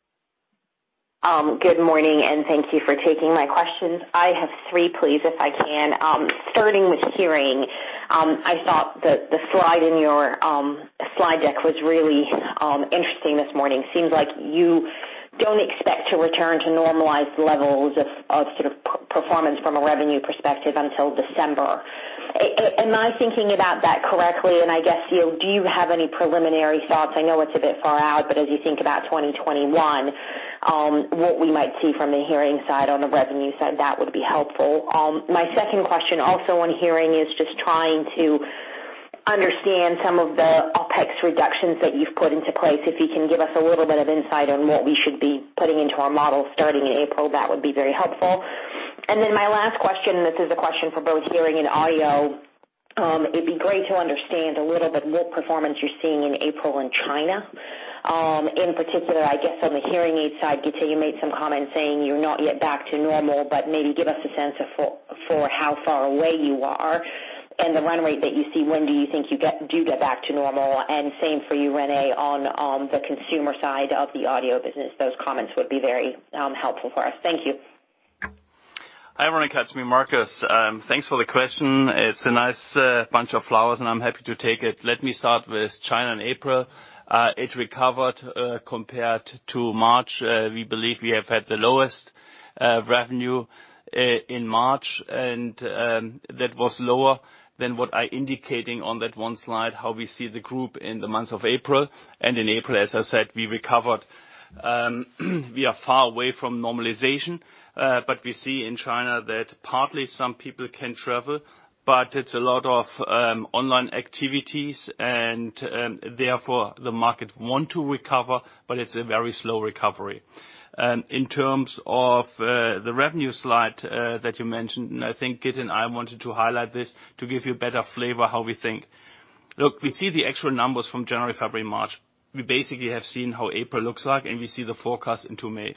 Speaker 5: Good morning, and thank you for taking my questions. I have three, please, if I can. Starting with Hearing, I thought that the slide in your slide deck was really interesting this morning. Seems like you don't expect to return to normalized levels of sort of performance from a revenue perspective until December. Am I thinking about that correctly? And I guess, do you have any preliminary thoughts? I know it's a bit far out, but as you think about 2021, what we might see from the Hearing side on the revenue side, that would be helpful. My second question also on Hearing is just trying to understand some of the OPEX reductions that you've put into place. If you can give us a little bit of insight on what we should be putting into our model starting in April, that would be very helpful. And then my last question, and this is a question for both Hearing and Audio, it'd be great to understand a little bit what performance you're seeing in April in China. In particular, I guess on the hearing aid side, Gitte, you made some comments saying you're not yet back to normal, but maybe give us a sense of how far away you are. And the run rate that you see, when do you think you do get back to normal? And same for you, René, on the consumer side of the Audio business, those comments would be very helpful for us. Thank you.
Speaker 2: Hi, Veronika and Marcus. Thanks for the question. It's a nice bunch of flowers, and I'm happy to take it. Let me start with China in April. It recovered compared to March. We believe we have had the lowest revenue in March, and that was lower than what I indicated on that one slide, how we see the group in the months of April. And in April, as I said, we recovered. We are far away from normalization, but we see in China that partly some people can travel, but it's a lot of online activities, and therefore the market wants to recover, but it's a very slow recovery. In terms of the revenue slide that you mentioned, and I think Gitte and I wanted to highlight this to give you a better flavor of how we think. Look, we see the actual numbers from January, February, March. We basically have seen how April looks like, and we see the forecast into May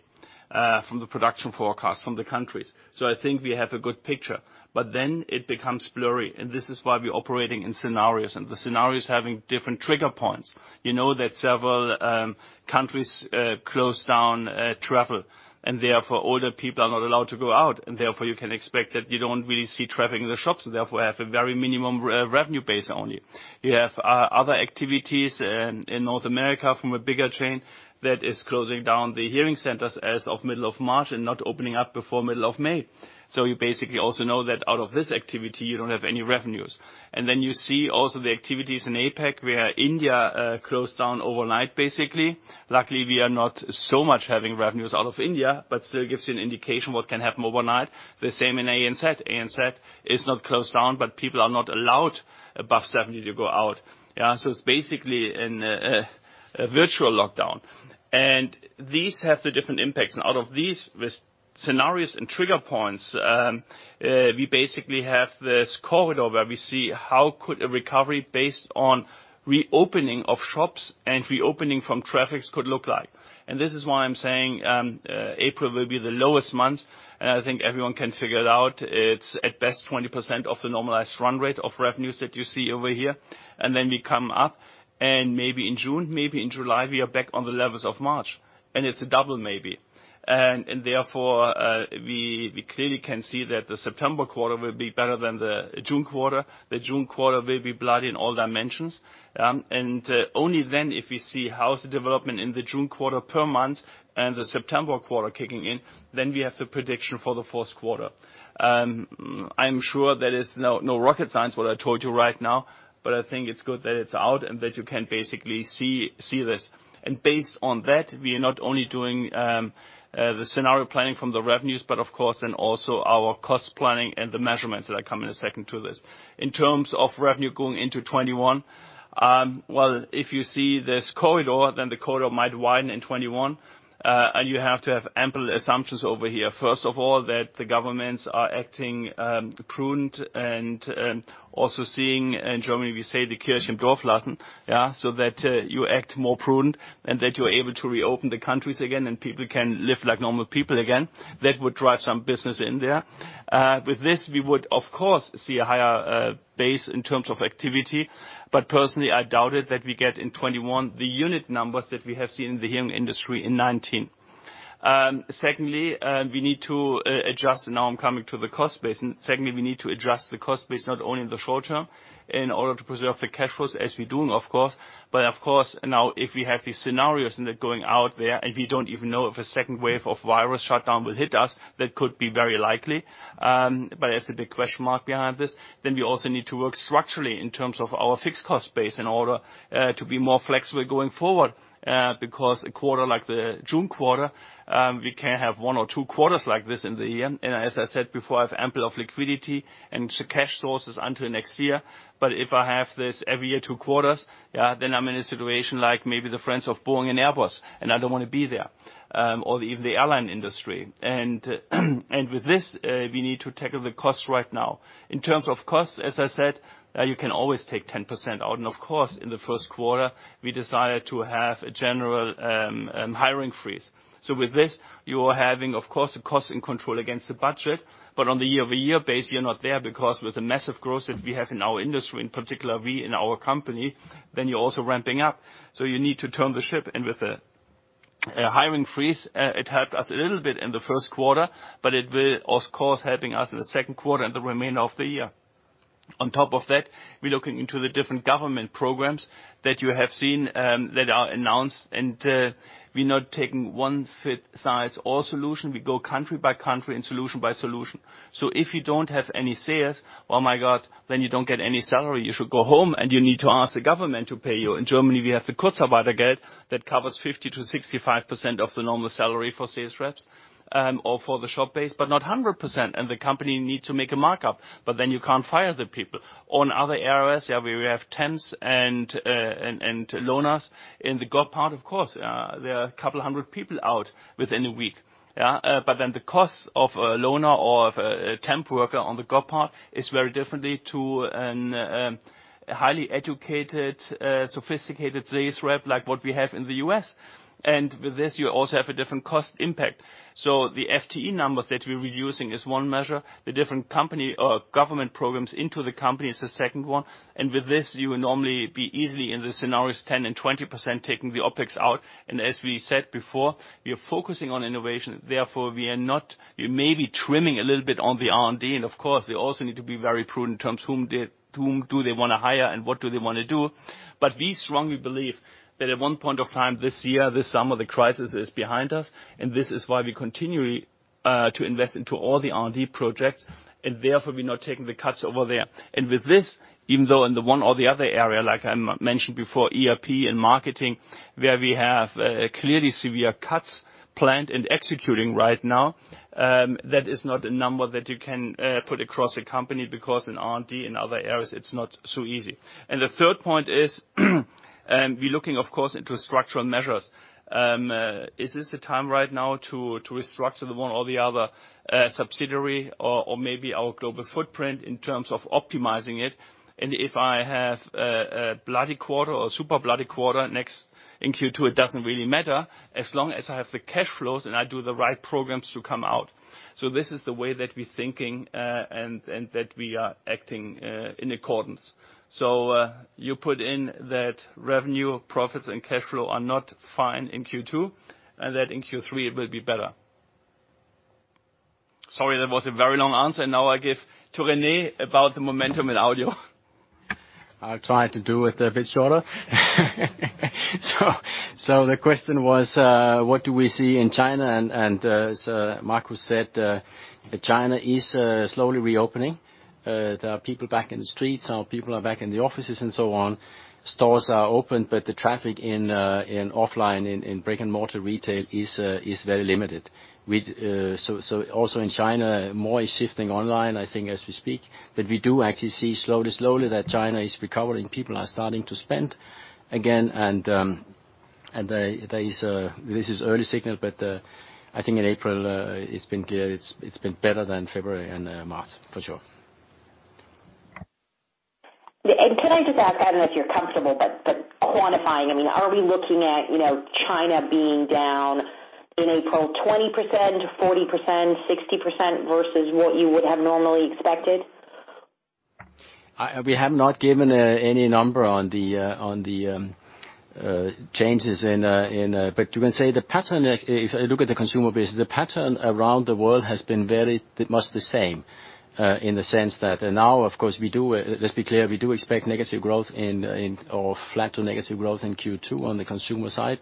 Speaker 2: from the production forecast from the countries, so I think we have a good picture, but then it becomes blurry, and this is why we are operating in scenarios, and the scenarios having different trigger points, you know that several countries close down travel, and therefore older people are not allowed to go out, and therefore you can expect that you don't really see traffic in the shops, and therefore have a very minimum revenue base only. You have other activities in North America from a bigger chain that is closing down the hearing centers as of middle of March and not opening up before middle of May, so you basically also know that out of this activity, you don't have any revenues. And then you see also the activities in APAC, where India closed down overnight, basically. Luckily, we are not so much having revenues out of India, but still gives you an indication of what can happen overnight. The same in ANZ. ANZ is not closed down, but people are not allowed above 70 to go out. So it's basically a virtual lockdown. And these have the different impacts. And out of these scenarios and trigger points, we basically have this corridor where we see how could a recovery based on reopening of shops and reopening from traffics could look like. And this is why I'm saying April will be the lowest month, and I think everyone can figure it out. It's at best 20% of the normalized run rate of revenues that you see over here. And then we come up, and maybe in June, maybe in July, we are back on the levels of March. And it's a double maybe. And therefore, we clearly can see that the September quarter will be better than the June quarter. The June quarter will be bloody in all dimensions. And only then, if we see how's development in the June quarter per month and the September quarter kicking in, then we have the prediction for the fourth quarter. I'm sure there is no rocket science, what I told you right now, but I think it's good that it's out and that you can basically see this. And based on that, we are not only doing the scenario planning from the revenues, but of course, then also our cost planning and the measures that I come to in a second. In terms of revenue going into 2021, well, if you see this corridor, then the corridor might widen in 2021, and you have to have ample assumptions over here. First of all, that the governments are acting prudent and also seeing in Germany, we say die Kirche im Dorf lassen, so that you act more prudent and that you're able to reopen the countries again and people can live like normal people again. That would drive some business in there. With this, we would, of course, see a higher base in terms of activity, but personally, I doubt it that we get in 2021 the unit numbers that we have seen in the hearing industry in 2019. Secondly, we need to adjust, and now I'm coming to the cost base. Secondly, we need to adjust the cost base not only in the short term in order to preserve the cash flows, as we're doing, of course, but of course, now if we have these scenarios and they're going out there and we don't even know if a second wave of virus shutdown will hit us, that could be very likely, but that's a big question mark behind this. Then we also need to work structurally in terms of our fixed cost base in order to be more flexible going forward because a quarter like the June quarter, we can have one or two quarters like this in the year. And as I said before, I have ample of liquidity and cash sources until next year, but if I have this every year two quarters, then I'm in a situation like maybe the friends of Boeing and Airbus, and I don't want to be there, or even the airline industry. And with this, we need to tackle the cost right now. In terms of cost, as I said, you can always take 10% out. And of course, in the first quarter, we decided to have a general hiring freeze. So with this, you are having, of course, a cost in control against the budget, but on the year-over-year base, you're not there because with the massive growth that we have in our industry, in particular, we in our company, then you're also ramping up. So you need to turn the ship. With the hiring freeze, it helped us a little bit in the first quarter, but it will, of course, help us in the second quarter and the remainder of the year. On top of that, we're looking into the different government programs that you have seen that are announced, and we're not taking one fit size or solution. We go country by country and solution by solution. So if you don't have any sales, oh my God, then you don't get any salary. You should go home, and you need to ask the government to pay you. In Germany, we have the Kurzarbeitergeld that covers 50%-65% of the normal salary for sales reps or for the shop base, but not 100%, and the company needs to make a markup, but then you can't fire the people. On other areas, yeah, where we have temps and loaners, in the G OPs part, of course, there are a couple hundred people out within a week, but then the cost of a loaner or a temp worker on the G OPs part is very different to a highly educated, sophisticated sales rep like what we have in the U.S., and with this, you also have a different cost impact, so the FTE numbers that we're using is one measure. The different government programs into the company is the second one, and with this, you would normally be easily in the scenarios 10% and 20% taking the OpEx out, and as we said before, we are focusing on innovation. Therefore, we are not. We may be trimming a little bit on the R&D, and of course, they also need to be very prudent in terms of whom do they want to hire and what do they want to do. But we strongly believe that at one point of time this year, this summer, the crisis is behind us, and this is why we continue to invest into all the R&D projects, and therefore we're not taking the cuts over there. With this, even though in the one or the other area, like I mentioned before, ERP and marketing, where we have clearly severe cuts planned and executing right now, that is not a number that you can put across a company because in R&D and other areas, it's not so easy. The third point is we're looking, of course, into structural measures. Is this the time right now to restructure the one or the other subsidiary or maybe our global footprint in terms of optimizing it? And if I have a bloody quarter or super bloody quarter next in Q2, it doesn't really matter as long as I have the cash flows and I do the right programs to come out. So this is the way that we're thinking and that we are acting in accordance. So you put in that revenue, profits, and cash flow are not fine in Q2, and that in Q3, it will be better. Sorry, that was a very long answer, and now I give to René about the momentum in Audio. I'll try to do it a bit shorter. So the question was, what do we see in China? And as Marcus said, China is slowly reopening. There are people back in the streets, and people are back in the offices and so on. Stores are open, but the traffic in offline and brick-and-mortar retail is very limited, so also in China, more is shifting online, I think, as we speak, but we do actually see slowly, slowly that China is recovering and people are starting to spend again, and this is early signal, but I think in April, it's been clear it's been better than February and March, for sure. Can I just ask Adam if you're comfortable but quantifying? I mean, are we looking at China being down in April 20%, 40%, 60% versus what you would have normally expected? We have not given any number on the changes, but you can say the pattern. If you look at the consumer base, the pattern around the world has been very much the same in the sense that now, of course, we do, let's be clear, we do expect negative growth or flat to negative growth in Q2 on the consumer side.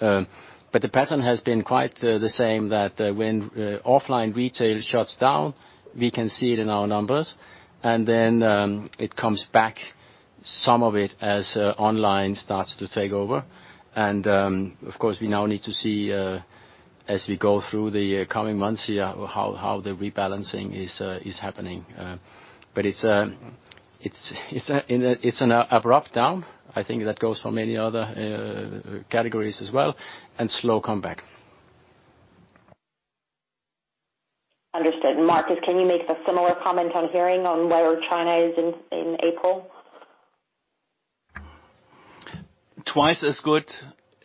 Speaker 2: But the pattern has been quite the same that when offline retail shuts down, we can see it in our numbers, and then it comes back, some of it as online starts to take over. And of course, we now need to see as we go through the coming months here how the rebalancing is happening. But it's an abrupt down, I think, that goes for many other categories as well, and slow comeback. Understood. Marcus, can you make a similar comment on Hearing on where China is in April? Twice as good,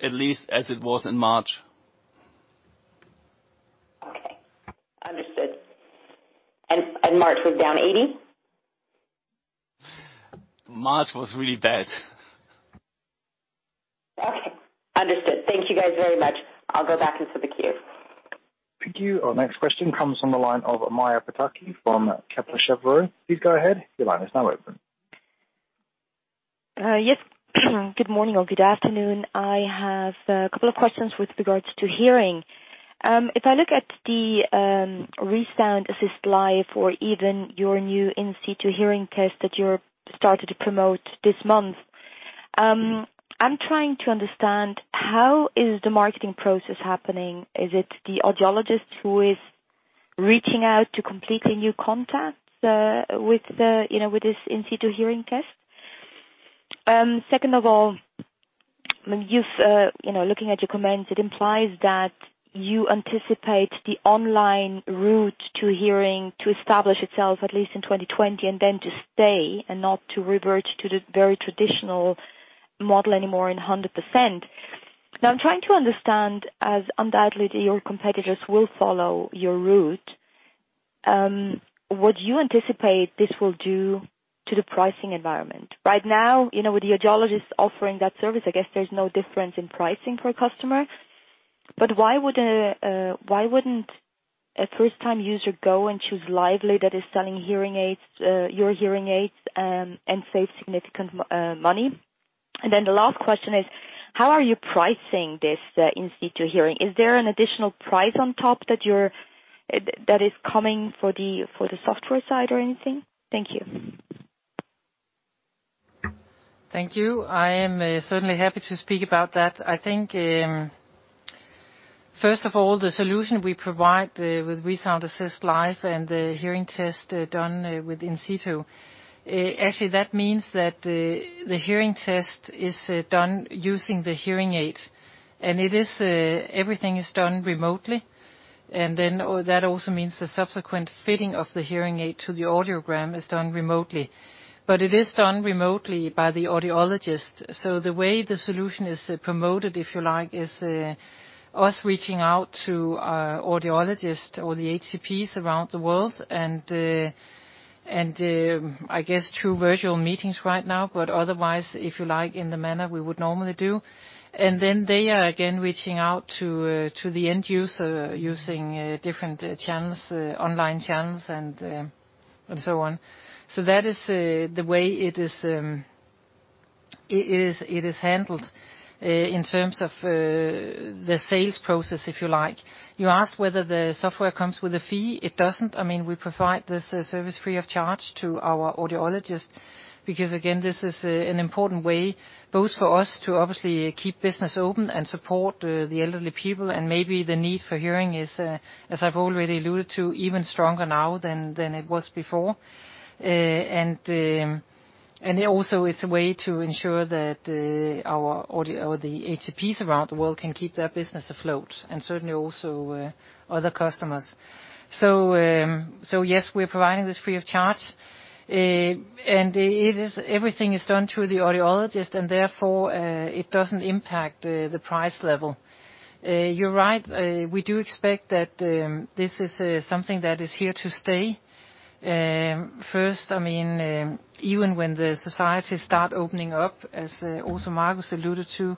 Speaker 2: at least, as it was in March. Okay. Understood. And March was down 80%? March was really bad. Okay. Understood. Thank you guys very much. I'll go back into the queue.
Speaker 5: Thank you. Our next question comes from the line of Maja Pataki from Kepler Cheuvreux. Please go ahead. Your line is now open. Yes. Good morning or good afternoon. I have a couple of questions with regards to Hearing. If I look at the ReSound Assist Live or even your new in-situ hearing test that you started to promote this month, I'm trying to understand how is the marketing process happening? Is it the audiologist who is reaching out to completely new contacts with this in-situ hearing test? Second of all, looking at your comments, it implies that you anticipate the online route to Hearing to establish itself at least in 2020 and then to stay and not to revert to the very traditional model anymore in 100%. Now, I'm trying to understand, as undoubtedly your competitors will follow your route, what do you anticipate this will do to the pricing environment? Right now, with the audiologist offering that service, I guess there's no difference in pricing for a customer. But why wouldn't a first-time user go and choose Lively that is selling your hearing aids and save significant money? And then the last question is, how are you pricing this in-situ Hearing? Is there an additional price on top that is coming for the software side or anything? Thank you.
Speaker 3: Thank you. I am certainly happy to speak about that. I think, first of all, the solution we provide with ReSound Assist Live and the hearing test done with in-situ, actually, that means that the hearing test is done using the hearing aids. And everything is done remotely. And then that also means the subsequent fitting of the hearing aid to the Audiogram is done remotely. But it is done remotely by the audiologist. So the way the solution is promoted, if you like, is us reaching out toudiologists or the HCPs around the world and, I guess, through virtual meetings right now, but otherwise, if you like, in the manner we would normally do. And then they are again reaching out to the end user using different channels, online channels, and so on. So that is the way it is handled in terms of the sales process, if you like. You asked whether the software comes with a fee. It doesn't. I mean, we provide this service free of charge to our audiologists because, again, this is an important way both for us to obviously keep business open and support the elderly people. And maybe the need for Hearing is, as I've already alluded to, even stronger now than it was before. And also, it's a way to ensure that the HCPs around the world can keep their business afloat and certainly also other customers. So yes, we're providing this free of charge. And everything is done through the audiologist, and therefore, it doesn't impact the price level. You're right. We do expect that this is something that is here to stay. First, I mean, even when the societies start opening up, as also Marcus alluded to,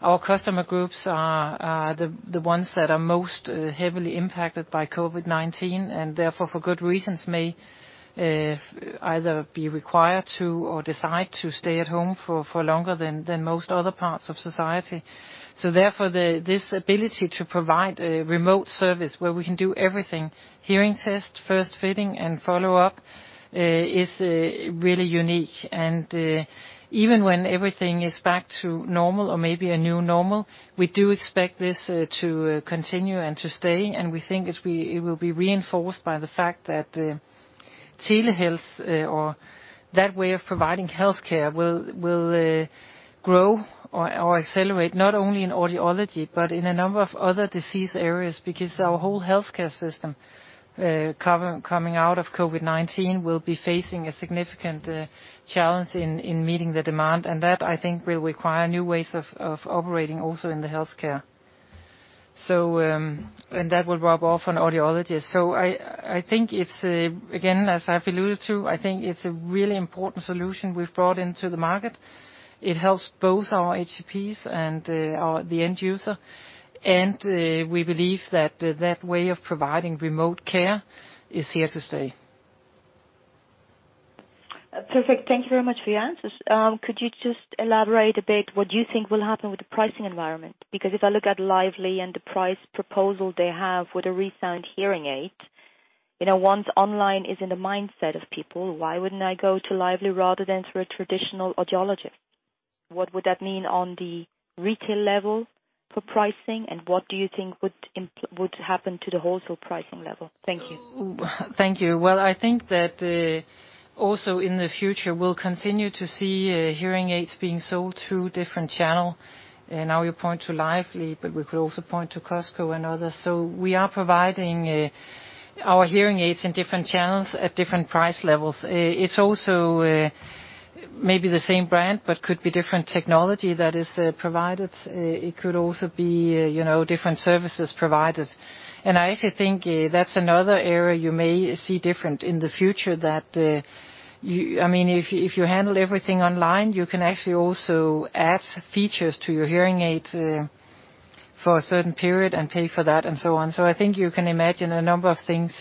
Speaker 3: our customer groups are the ones that are most heavily impacted by COVID-19 and therefore, for good reasons, may either be required to or decide to stay at home for longer than most other parts of society, so therefore, this ability to provide a remote service where we can do everything, hearing test, first fitting, and follow-up, is really unique, and even when everything is back to normal or maybe a new normal, we do expect this to continue and to stay, and we think it will be reinforced by the fact that telehealth or that way of providing healthcare will grow or accelerate not only in audiology but in a number of other disease areas because our whole healthcare system coming out of COVID-19 will be facing a significant challenge in meeting the demand. And that, I think, will require new ways of operating also in the healthcare. And that will rub off on audiologists. So I think, again, as I've alluded to, I think it's a really important solution we've brought into the market. It helps both our HCPs and the end user. And we believe that that way of providing remote care is here to stay. Perfect. Thank you very much for your answers. Could you just elaborate a bit what you think will happen with the pricing environment? Because if I look at Lively and the price proposal they have with a ReSound hearing aid, once online is in the mindset of people, why wouldn't I go to Lively rather than through a traditional audiologist? What would that mean on the retail level for pricing, and what do you think would happen to the wholesale pricing level? Thank you. Thank you. Well, I think that also in the future, we'll continue to see hearing aids being sold through different channels. Now you point to Lively, but we could also point to Costco and others. So we are providing our hearing aids in different channels at different price levels. It's also maybe the same brand, but could be different technology that is provided. It could also be different services provided. And I actually think that's another area you may see different in the future that, I mean, if you handle everything online, you can actually also add features to your hearing aid for a certain period and pay for that and so on. So I think you can imagine a number of things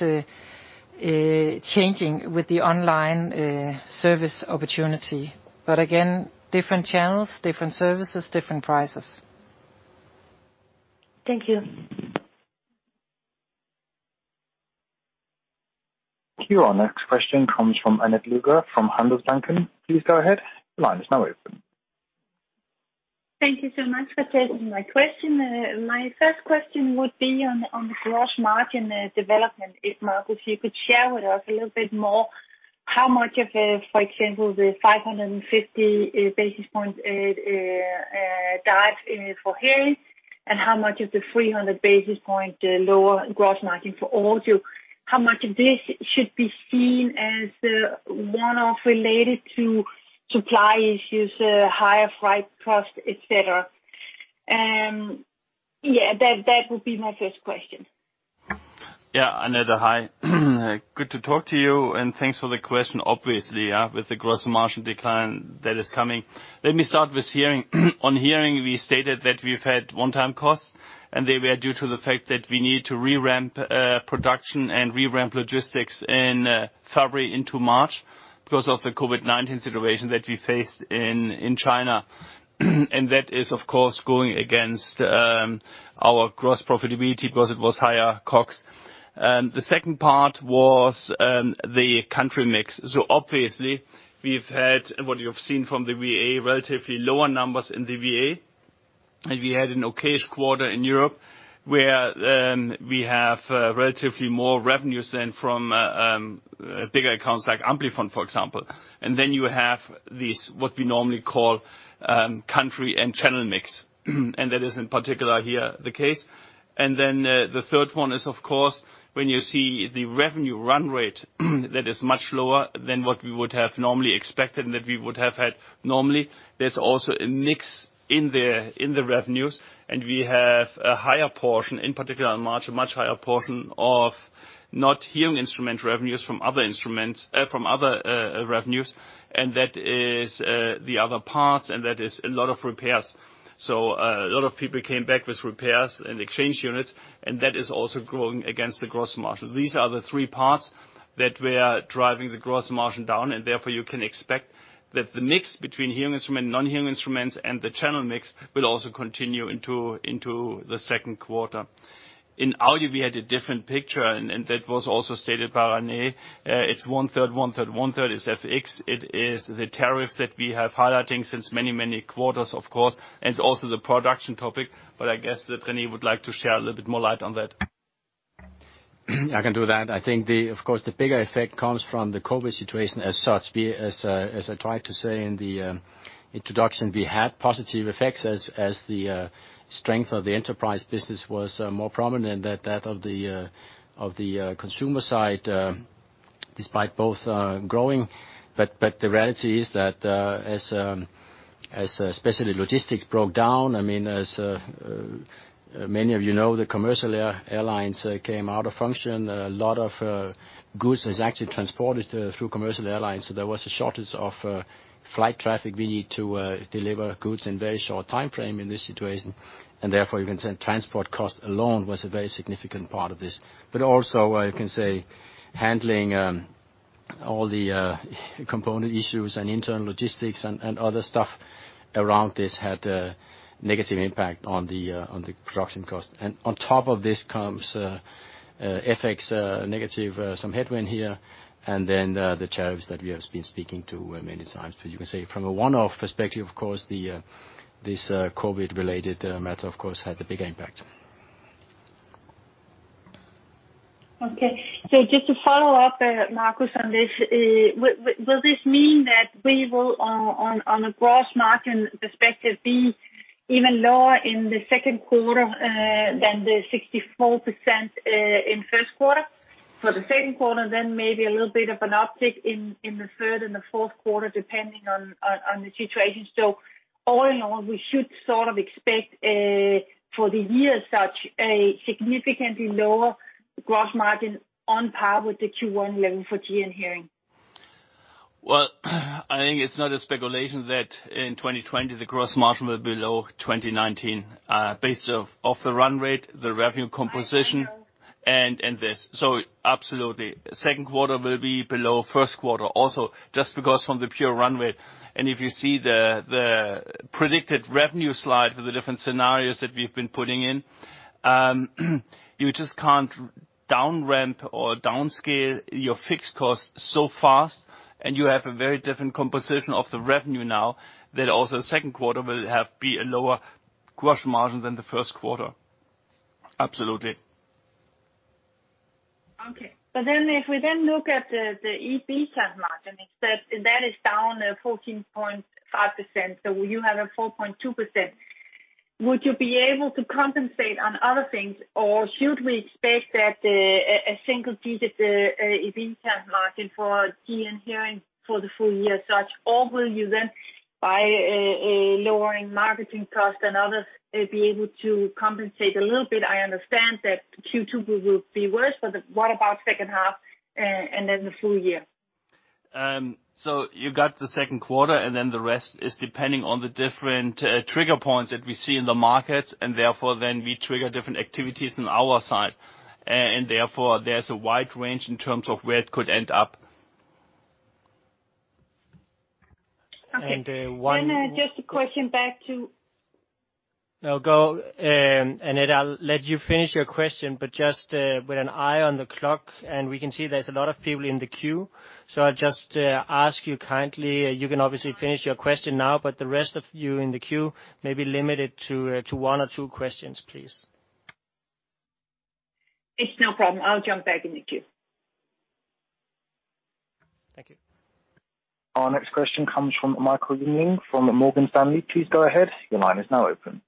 Speaker 3: changing with the online service opportunity. But again, different channels, different services, different prices. Thank you.
Speaker 5: Here our next question comes from Annette Lykke from Handelsbanken. Please go ahead. The line is now open. Thank you so much for taking my question. My first question would be on the gross margin development. If Marcus, you could share with us a little bit more how much of, for example, the 550 basis points dive for Hearing and how much of the 300 basis points lower gross margin for Audio, how much of this should be seen as one-off related to supply issues, higher price, cost, etc. Yeah, that would be my first question.
Speaker 2: Yeah. Annette, hi. Good to talk to you. And thanks for the question, obviously, with the gross margin decline that is coming. Let me start with Hearing. On Hearing, we stated that we've had one-time costs, and they were due to the fact that we need to reramp production and reramp logistics in February into March because of the COVID-19 situation that we faced in China. And that is, of course, going against our gross profitability because it was higher costs. The second part was the country mix. So obviously, we've had, what you've seen from the VA, relatively lower numbers in the VA. And we had an okayish quarter in Europe where we have relatively more revenues than from bigger accounts like Amplifon, for example. And then you have what we normally call country and channel mix. And that is in particular here the case. And then the third one is, of course, when you see the revenue run rate that is much lower than what we would have normally expected and that we would have had normally, there's also a mix in the revenues. And we have a higher portion, in particular in March, a much higher portion of non-hearing instrument revenues from other revenues. And that is the other parts. And that is a lot of repairs. So a lot of people came back with repairs and exchange units. And that is also going against the gross margin. These are the three parts that were driving the gross margin down. And therefore, you can expect that the mix between hearing instrument, non-hearing instruments, and the channel mix will also continue into the second quarter. In Audio, we had a different picture. And that was also stated by René. It's one-third, one-third, one-third is FX. It is the tariffs that we have highlighting since many, many quarters, of course. And it's also the production topic. But I guess that René would like to share a little bit more light on that.
Speaker 4: I can do that. I think, of course, the bigger effect comes from the COVID-19 situation as such. As I tried to say in the introduction, we had positive effects as the strength of the enterprise business was more prominent than that of the consumer side, despite both growing. But the reality is that, especially logistics broke down. I mean, as many of you know, the commercial airlines came out of function. A lot of goods is actually transported through commercial airlines. So there was a shortage of flight traffic. We need to deliver goods in a very short timeframe in this situation. And therefore, transport cost alone was a very significant part of this. But also, I can say handling all the component issues and internal logistics and other stuff around this had a negative impact on the production cost. And on top of this comes FX negative, some headwind here, and then the tariffs that we have been speaking to many times. But you can say from a one-off perspective, of course, this COVID-related matter, of course, had a bigger impact. Okay. So just to follow up, Marcus, on this, will this mean that we will, on a gross margin perspective, be even lower in the second quarter than the 64% in first quarter? For the second quarter, then maybe a little bit of an uptick in the third and the fourth quarter, depending on the situation. So all in all, we should sort of expect for the year as such a significantly lower gross margin on par with the Q1 level for GN Hearing.
Speaker 2: I think it's not a speculation that in 2020, the gross margin will be low 2019 based off the run rate, the revenue composition, and this. So absolutely, second quarter will be below first quarter also just because from the pure run rate. And if you see the predicted revenue slide for the different scenarios that we've been putting in, you just can't downramp or downscale your fixed costs so fast. And you have a very different composition of the revenue now that also second quarter will have a lower gross margin than the first quarter. Absolutely. Okay. But then if we then look at the EBITDA margin, that is down 14.5%. So you have a 4.2%. Would you be able to compensate on other things, or should we expect that a single-digit EBITDA margin for GN Hearing for the full year as such? Or will you then, by lowering marketing costs and others, be able to compensate a little bit? I understand that Q2 will be worse, but what about second half and then the full year? So you got the second quarter, and then the rest is depending on the different trigger points that we see in the markets. And therefore, then we trigger different activities on our side. And therefore, there's a wide range in terms of where it could end up. Okay. And just a question back to. No, go. Annette, I'll let you finish your question, but just with an eye on the clock, and we can see there's a lot of people in the queue, so I'll just ask you kindly. You can obviously finish your question now, but the rest of you in the queue, maybe limit it to one or two questions, please. It's no problem. I'll jump back in the queue. Thank you.
Speaker 5: Our next question comes from Michael Jung from Morgan Stanley. Please go ahead. Your line is now open.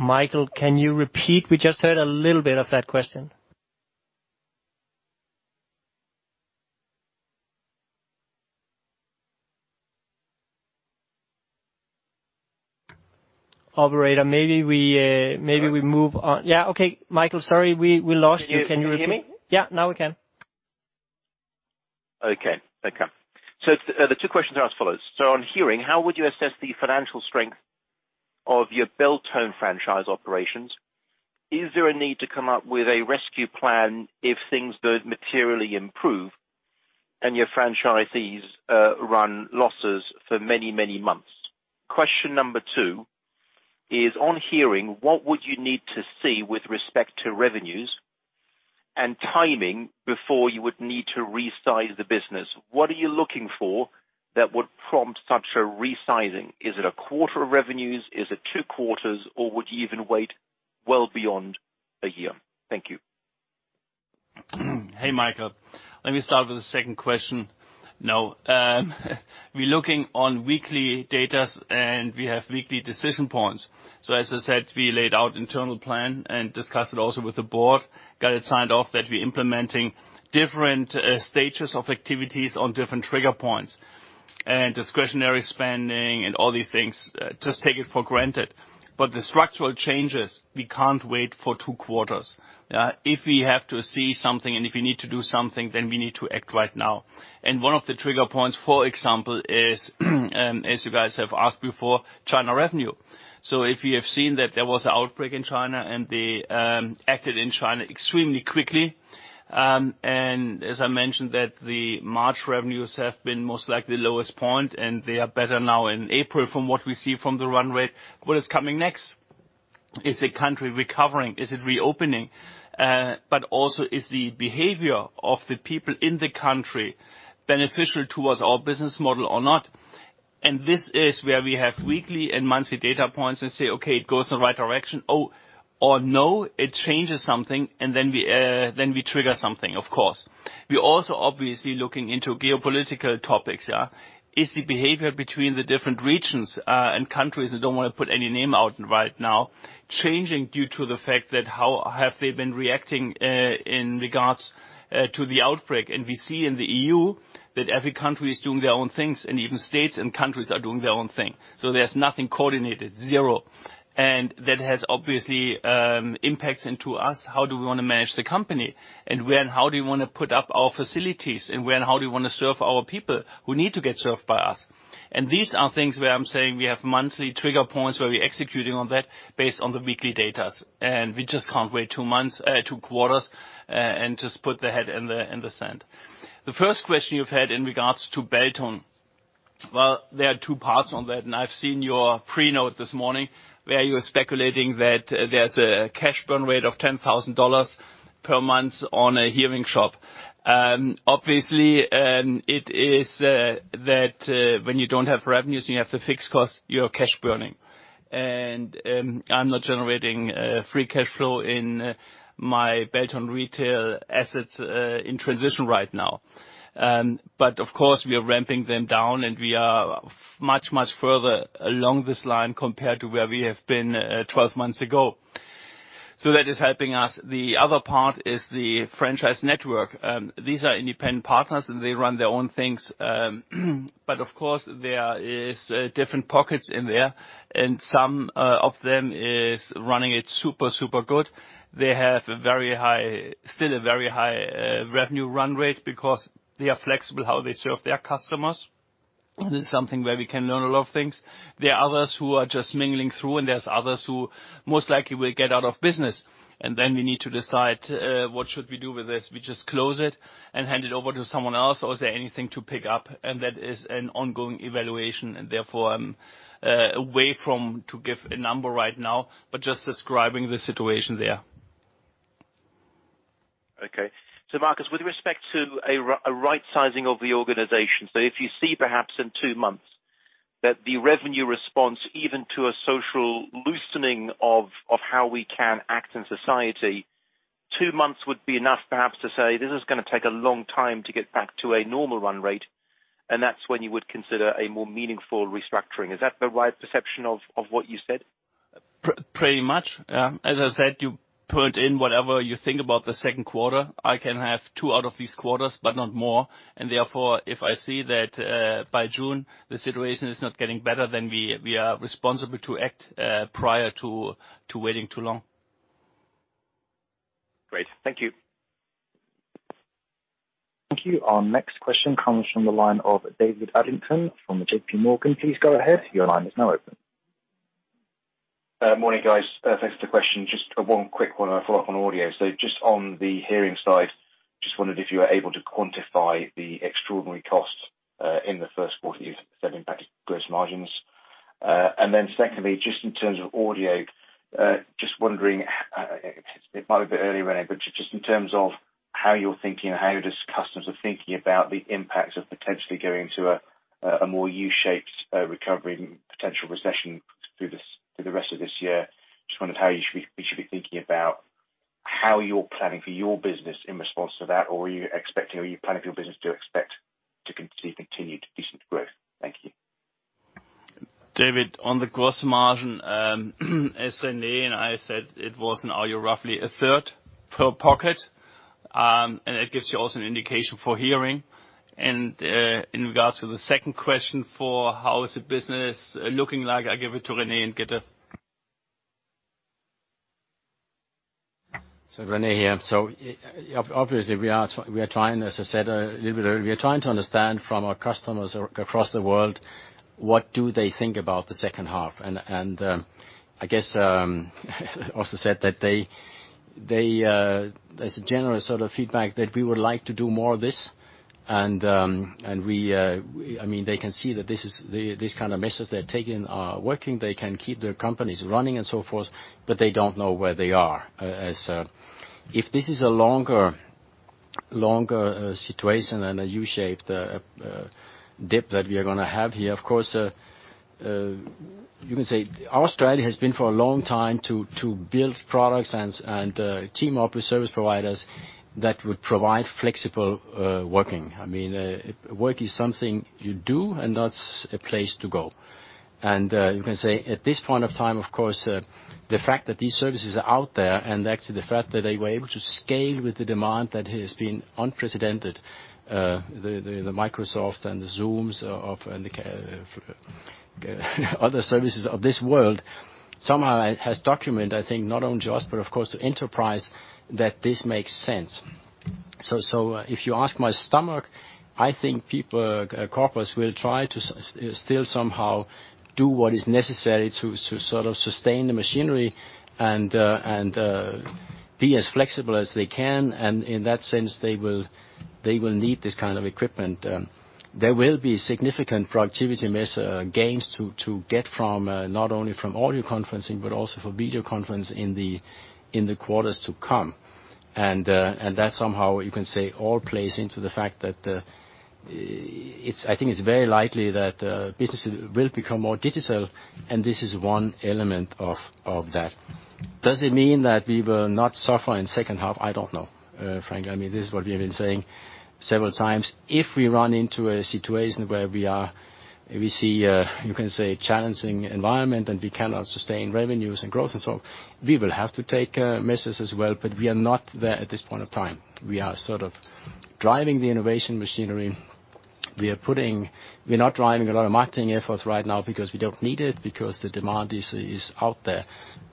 Speaker 2: Michael, can you repeat? We just heard a little bit of that question. Operator, maybe we move on. Yeah. Okay. Michael, sorry, we lost you. Can you repeat? Can you hear me? Yeah. Now we can. Okay. Okay. So the two questions are as follows. So on Hearing, how would you assess the financial strength of your Beltone franchise operations? Is there a need to come up with a rescue plan if things don't materially improve and your franchisees run losses for many, many months? Question number two is, on Hearing, what would you need to see with respect to revenues and timing before you would need to resize the business? What are you looking for that would prompt such a resizing? Is it a quarter of revenues? Is it two quarters? Or would you even wait well beyond a year? Thank you. Hey, Michael. Let me start with the second question. No. We're looking on weekly data, and we have weekly decision points. So as I said, we laid out internal plan and discussed it also with the board, got it signed off that we're implementing different stages of activities on different trigger points. And discretionary spending and all these things just take it for granted. But the structural changes, we can't wait for two quarters. If we have to see something and if we need to do something, then we need to act right now. And one of the trigger points, for example, is, as you guys have asked before, China revenue. So if you have seen that there was an outbreak in China and they acted in China extremely quickly. As I mentioned, that the March revenues have been most likely the lowest point, and they are better now in April from what we see from the run rate. What is coming next? Is the country recovering? Is it reopening? Also, is the behavior of the people in the country beneficial towards our business model or not? This is where we have weekly and monthly data points and say, "Okay, it goes in the right direction." Or no, it changes something, and then we trigger something, of course. We're also obviously looking into geopolitical topics. Is the behavior between the different regions and countries, I don't want to put any name out right now, changing due to the fact that how have they been reacting in regards to the outbreak? We see in the EU that every country is doing their own things, and even states and countries are doing their own thing. So there's nothing coordinated, zero. And that has obviously impacts into us. How do we want to manage the company? And how do we want to put up our facilities? And how do we want to serve our people who need to get served by us? And these are things where I'm saying we have monthly trigger points where we're executing on that based on the weekly data. And we just can't wait two quarters and just put the head in the sand. The first question you've had in regards to Beltone. Well, there are two parts on that. And I've seen your pre-note this morning where you're speculating that there's a cash burn rate of $10,000 per month on a hearing shop. Obviously, it is that when you don't have revenues, you have the fixed costs, you're cash burning, and I'm not generating free cash flow in my Beltone retail assets in transition right now, but of course, we are ramping them down, and we are much, much further along this line compared to where we have been 12 months ago, so that is helping us. The other part is the franchise network. These are independent partners, and they run their own things, but of course, there are different pockets in there, and some of them are running it super, super good. They have still a very high revenue run rate because they are flexible how they serve their customers, and this is something where we can learn a lot of things. There are others who are just muddling through, and there's others who most likely will go out of business. And then we need to decide what should we do with this. We just close it and hand it over to someone else, or is there anything to pick up? And that is an ongoing evaluation. And therefore, I'm away from giving a number right now, but just describing the situation there. Okay, so Marcus, with respect to a right-sizing of the organization, so if you see perhaps in two months that the revenue response, even to a social loosening of how we can act in society, two months would be enough perhaps to say, "This is going to take a long time to get back to a normal run rate," and that's when you would consider a more meaningful restructuring. Is that the right perception of what you said? Pretty much. As I said, you put in whatever you think about the second quarter. I can have two out of these quarters, but not more. And therefore, if I see that by June, the situation is not getting better, then we are responsible to act prior to waiting too long. Great. Thank you.
Speaker 5: Thank you. Our next question comes from the line of David Adlington from JP Morgan. Please go ahead. Your line is now open. Morning, guys. Thanks for the question. Just a one quick one I follow up on Audio. So just on the hearing side, just wondered if you were able to quantify the extraordinary costs in the first quarter you've said impacted gross margins. And then secondly, just in terms of Audio, just wondering, it might be a bit early, René, but just in terms of how you're thinking and how your customers are thinking about the impacts of potentially going into a more U-shaped recovery, potential recession through the rest of this year, just wondered how you should be thinking about how you're planning for your business in response to that, or are you expecting or are you planning for your business to expect to continue to see decent growth? Thank you.
Speaker 2: David, on the gross margin, as René and I said, it was an area roughly a third per pocket. That gives you also an indication for Hearing. In regards to the second question for how is the business looking like, I'll give it to René and get a—
Speaker 4: So René here. So obviously, we are trying, as I said a little bit earlier, we are trying to understand from our customers across the world what do they think about the second half? And I guess also said that they, as a general sort of feedback, that we would like to do more of this. And I mean, they can see that this kind of message they're taking are working. They can keep their companies running and so forth, but they don't know where they are. If this is a longer situation and a U-shaped dip that we are going to have here, of course you can say Australia has been for a long time to build products and team up with service providers that would provide flexible working. I mean, work is something you do, and that's a place to go. You can say at this point of time, of course, the fact that these services are out there and actually the fact that they were able to scale with the demand that has been unprecedented, the Microsoft and the Zooms and the other services of this world, somehow has documented, I think, not only to us, but of course to enterprise, that this makes sense. So if you ask my stomach, I think people, corporates will try to still somehow do what is necessary to sort of sustain the machinery and be as flexible as they can. And in that sense, they will need this kind of equipment. There will be significant productivity gains to get from not only from Audio conferencing, but also for video conference in the quarters to come. And that somehow, you can say, all plays into the fact that I think it's very likely that businesses will become more digital, and this is one element of that. Does it mean that we will not suffer in the second half? I don't know, Frank. I mean, this is what we have been saying several times. If we run into a situation where we see, you can say, a challenging environment and we cannot sustain revenues and growth and so on, we will have to take measures as well. But we are not there at this point of time. We are sort of driving the innovation machinery. We're not driving a lot of marketing efforts right now because we don't need it, because the demand is out there.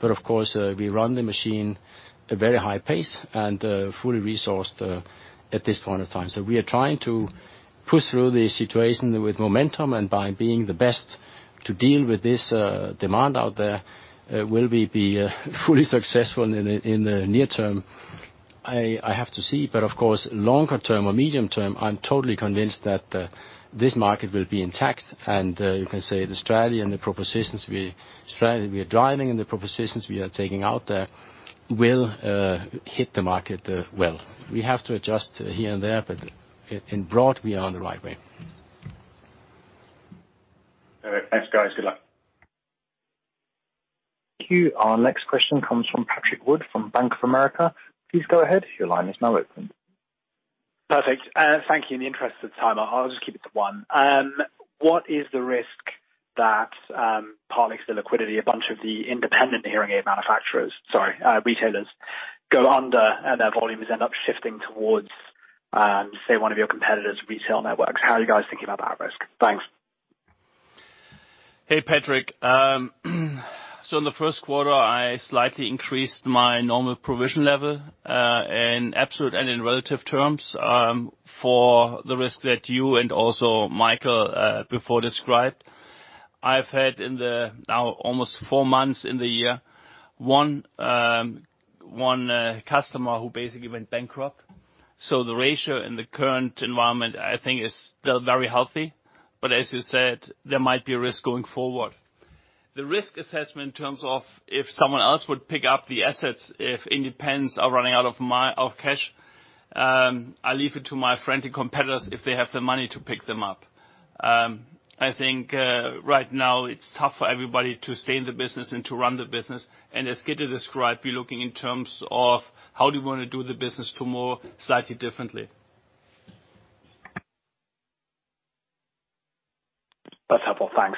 Speaker 4: But of course, we run the machine at a very high pace and fully resourced at this point of time. So we are trying to push through the situation with momentum and by being the best to deal with this demand out there. Will we be fully successful in the near term? I have to see. But of course, longer term or medium term, I'm totally convinced that this market will be intact. And you can say the strategy and the propositions we are driving and the propositions we are taking out there will hit the market well. We have to adjust here and there, but in broad, we are on the right way. Perfect. Thanks, guys. Good luck.
Speaker 5: Thank you. Our next question comes from Patrick Wood from Bank of America. Please go ahead. Your line is now open. Perfect. Thank you. In the interest of time, I'll just keep it to one. What is the risk that partly because of the liquidity, a bunch of the independent hearing aid manufacturers, sorry, retailers, go under and their volumes end up shifting towards, say, one of your competitors' retail networks? How are you guys thinking about that risk? Thanks.
Speaker 2: Hey, Patrick. So in the first quarter, I slightly increased my normal provision level in absolute and in relative terms for the risk that you and also Michael before described. I've had, in the now almost four months in the year, one customer who basically went bankrupt. So the ratio in the current environment, I think, is still very healthy. But as you said, there might be a risk going forward. The risk assessment in terms of if someone else would pick up the assets, if independents are running out of cash, I leave it to my friendly competitors if they have the money to pick them up. I think right now it's tough for everybody to stay in the business and to run the business. And as Gitte described, we're looking in terms of how do we want to do the business tomorrow slightly differently.
Speaker 5: That's helpful. Thanks.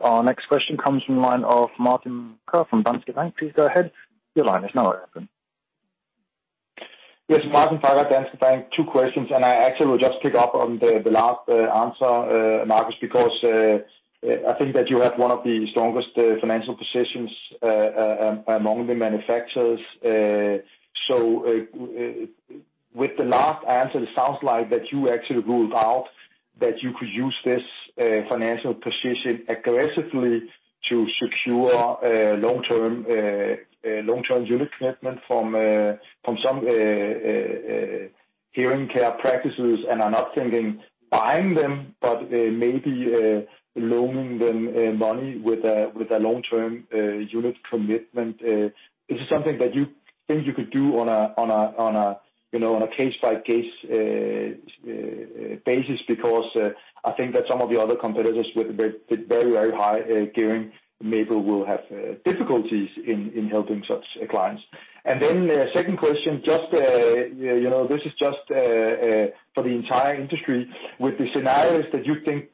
Speaker 5: Our next question comes from the line of Martin Parkhøi from Danske Bank. Please go ahead. Your line is now open. Yes, Martin Parkhøi at Danske Bank. Two questions. And I actually will just pick up on the last answer, Marcus, because I think that you have one of the strongest financial positions among the manufacturers. So with the last answer, it sounds like that you actually ruled out that you could use this financial position aggressively to secure long-term unit commitment from some hearing care practices and are not thinking buying them, but maybe loaning them money with a long-term unit commitment. Is this something that you think you could do on a case-by-case basis? Because I think that some of your other competitors with very, very high gearing maybe will have difficulties in helping such clients. And then second question, just this is just for the entire industry. With the scenarios that you think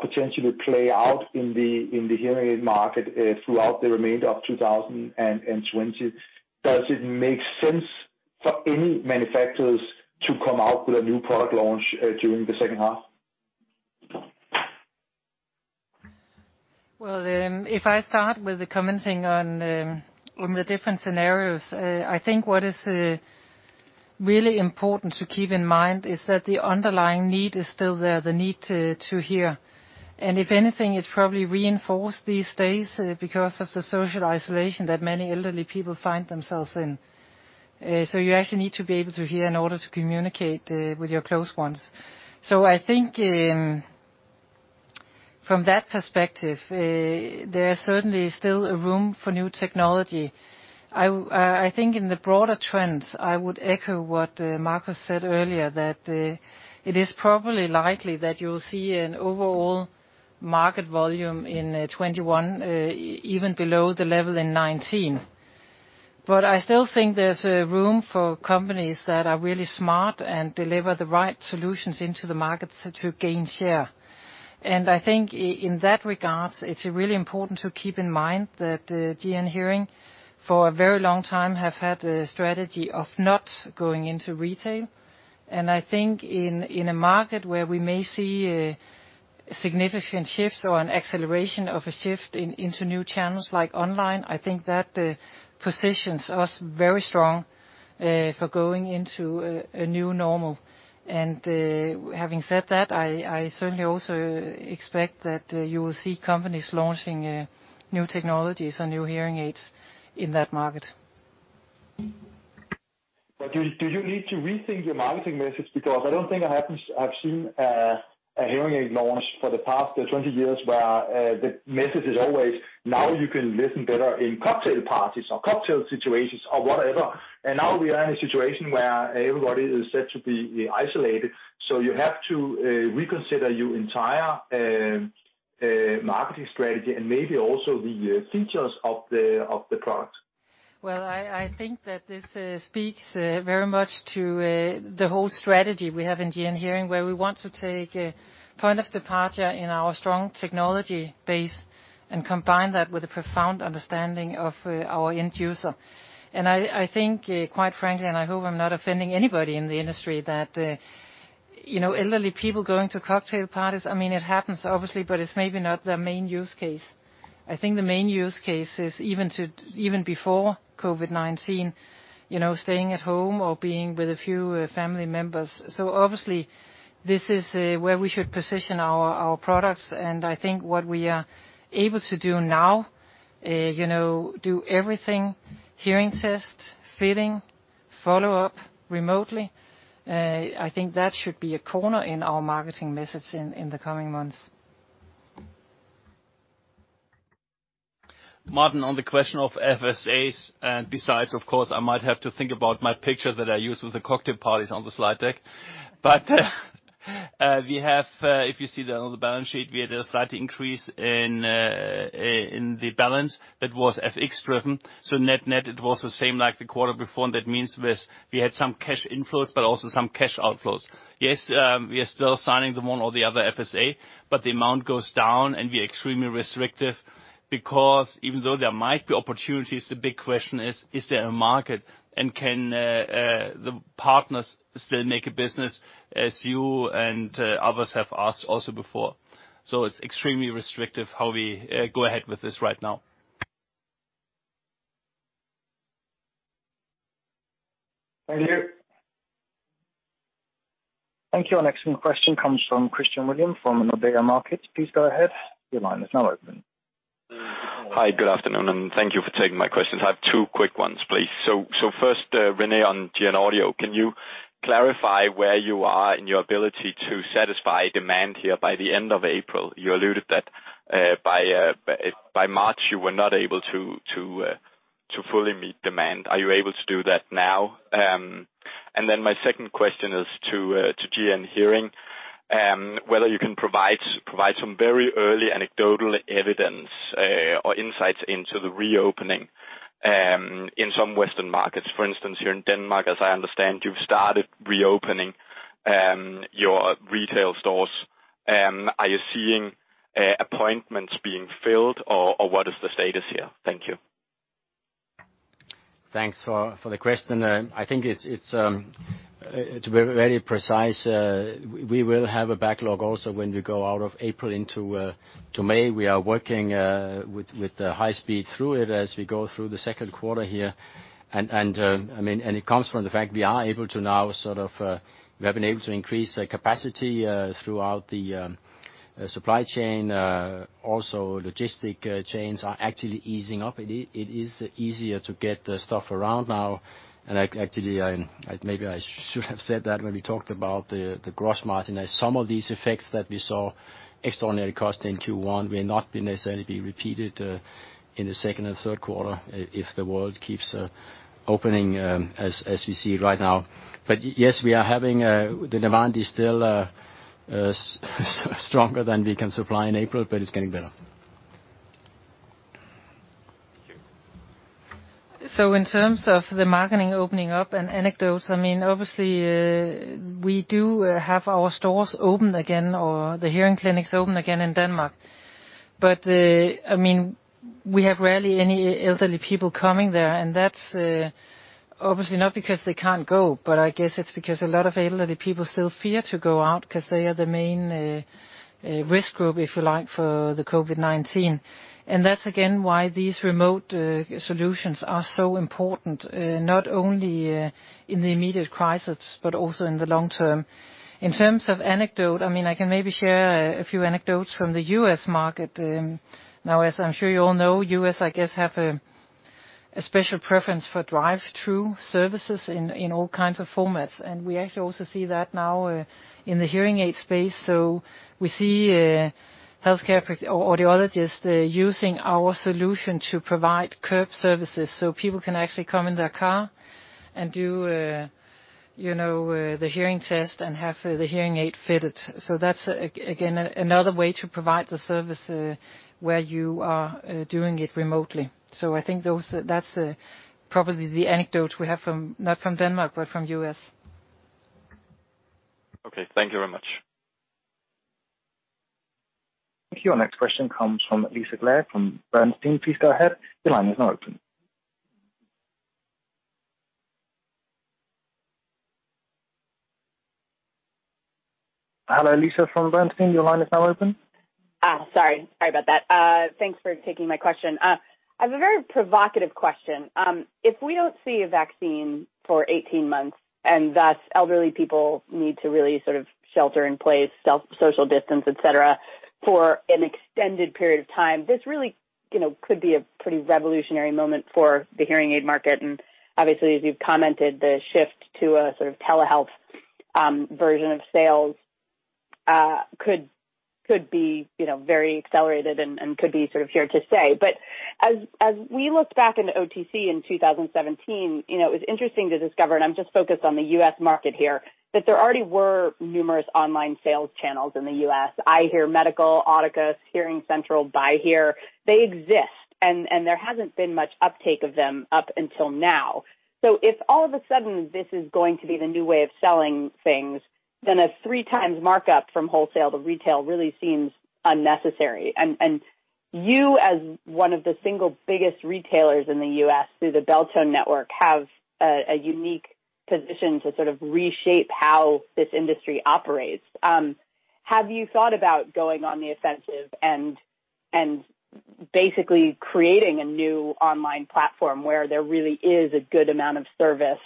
Speaker 5: potentially play out in the hearing aid market throughout the remainder of 2020, does it make sense for any manufacturers to come out with a new product launch during the second half?
Speaker 3: Well, if I start with commenting on the different scenarios, I think what is really important to keep in mind is that the underlying need is still there, the need to hear. And if anything, it's probably reinforced these days because of the social isolation that many elderly people find themselves in. So you actually need to be able to hear in order to communicate with your close ones. So I think from that perspective, there is certainly still a room for new technology. I think in the broader trends, I would echo what Marcus said earlier, that it is probably likely that you'll see an overall market volume in 2021, even below the level in 2019. But I still think there's room for companies that are really smart and deliver the right solutions into the markets to gain share. I think in that regard, it's really important to keep in mind that GN Hearing, for a very long time, have had a strategy of not going into retail. I think in a market where we may see significant shifts or an acceleration of a shift into new channels like online, I think that positions us very strong for going into a new normal. Having said that, I certainly also expect that you will see companies launching new technologies and new hearing aids in that market. But do you need to rethink your marketing message? Because I don't think I have seen a earing aid launch for the past 20 years where the message is always, "Now you can listen better in cocktail parties or cocktail situations or whatever." And now we are in a situation where everybody is set to be isolated. So you have to reconsider your entire marketing strategy and maybe also the features of the product. I think that this speaks very much to the whole strategy we have in GN Hearing, where we want to take point of departure in our strong technology base and combine that with a profound understanding of our end user. I think, quite frankly, and I hope I'm not offending anybody in the industry, that elderly people going to cocktail parties, I mean, it happens, obviously, but it's maybe not their main use case. I think the main use case is even before COVID-19, staying at home or being with a few family members. Obviously, this is where we should position our products. I think what we are able to do now, do everything: hearing test, fitting, follow-up remotely. I think that should be a cornerstone in our marketing message in the coming months.
Speaker 2: Martin, on the question of FSAs, and besides, of course, I might have to think about my picture that I use with the cocktail parties on the slide deck. But we have, if you see that on the balance sheet, we had a slight increase in the balance that was FX-driven. So net-net, it was the same like the quarter before. That means we had some cash inflows, but also some cash outflows. Yes, we are still signing the one or the other FSA, but the amount goes down and we are extremely restrictive because even though there might be opportunities, the big question is, is there a market and can the partners still make a business as you and others have asked also before? So it's extremely restrictive how we go ahead with this right now. Thank you.
Speaker 5: Thank you. Our next question comes from Christian Ryom from Nordea Markets. Please go ahead. Your line is now open. Hi, good afternoon, and thank you for taking my questions. I have two quick ones, please. So first, René on GN Audio, can you clarify where you are in your ability to satisfy demand here by the end of April? You alluded that by March you were not able to fully meet demand. Are you able to do that now? And then my second question is to GN Hearing, whether you can provide some very early anecdotal evidence or insights into the reopening in some Western markets. For instance, here in Denmark, as I understand, you've started reopening your retail stores. Are you seeing appointments being filled, or what is the status here? Thank you.
Speaker 4: Thanks for the question. I think to be very precise, we will have a backlog also when we go out of April into May. We are working at high speed through it as we go through the second quarter here, and it comes from the fact we are able to now sort of we have been able to increase capacity throughout the supply chain. Also, logistics chains are actually easing up. It is easier to get stuff around now, and actually, maybe I should have said that when we talked about the gross margin. Some of these effects that we saw, extraordinary cost in Q1, will not necessarily be repeated in the second and third quarter if the world keeps opening as we see right now, but yes, we are having the demand is still stronger than we can supply in April, but it's getting better.
Speaker 3: So in terms of the markets opening up and anecdotes, I mean, obviously, we do have our stores open again or the hearing clinics open again in Denmark. But I mean, we have rarely any elderly people coming there. And that's obviously not because they can't go, but I guess it's because a lot of elderly people still fear to go out because they are the main risk group, if you like, for the COVID-19. And that's again why these remote solutions are so important, not only in the immediate crisis, but also in the long term. In terms of anecdote, I mean, I can maybe share a few anecdotes from the U.S. market. Now, as I'm sure you all know, U.S., I guess, have a special preference for drive-through services in all kinds of formats. And we actually also see that now in the hearing aid space. So we see healthcare audiologists using our solution to provide curbside services. So people can actually come in their car and do the hearing test and have the hearing aid fitted. So that's, again, another way to provide the service where you are doing it remotely. So I think that's probably the anecdote we have from, not from Denmark, but from U.S. Okay. Thank you very much.
Speaker 5: Thank you. Our next question comes from Lisa Clive from Bernstein. Please go ahead. Your line is now open. Hello, Lisa from Bernstein. Your line is now open. Sorry. Sorry about that. Thanks for taking my question. I have a very provocative question. If we don't see a vaccine for 18 months, and thus elderly people need to really sort of shelter in place, self-social distance, etc., for an extended period of time, this really could be a pretty revolutionary moment for the hearing aid market. And obviously, as you've commented, the shift to a sort of telehealth version of sales could be very accelerated and could be sort of here to stay. But as we looked back into OTC in 2017, it was interesting to discover, and I'm just focused on the U.S. market here, that there already were numerous online sales channels in the U.S. iHear Medical, Audicus, Hearing Central, BuyHear. They exist, and there hasn't been much uptake of them up until now. So if all of a sudden this is going to be the new way of selling things, then a three-times markup from wholesale to retail really seems unnecessary. And you, as one of the single biggest retailers in the U.S. through the Beltone network, have a unique position to sort of reshape how this industry operates. Have you thought about going on the offensive and basically creating a new online platform where there really is a good amount of service,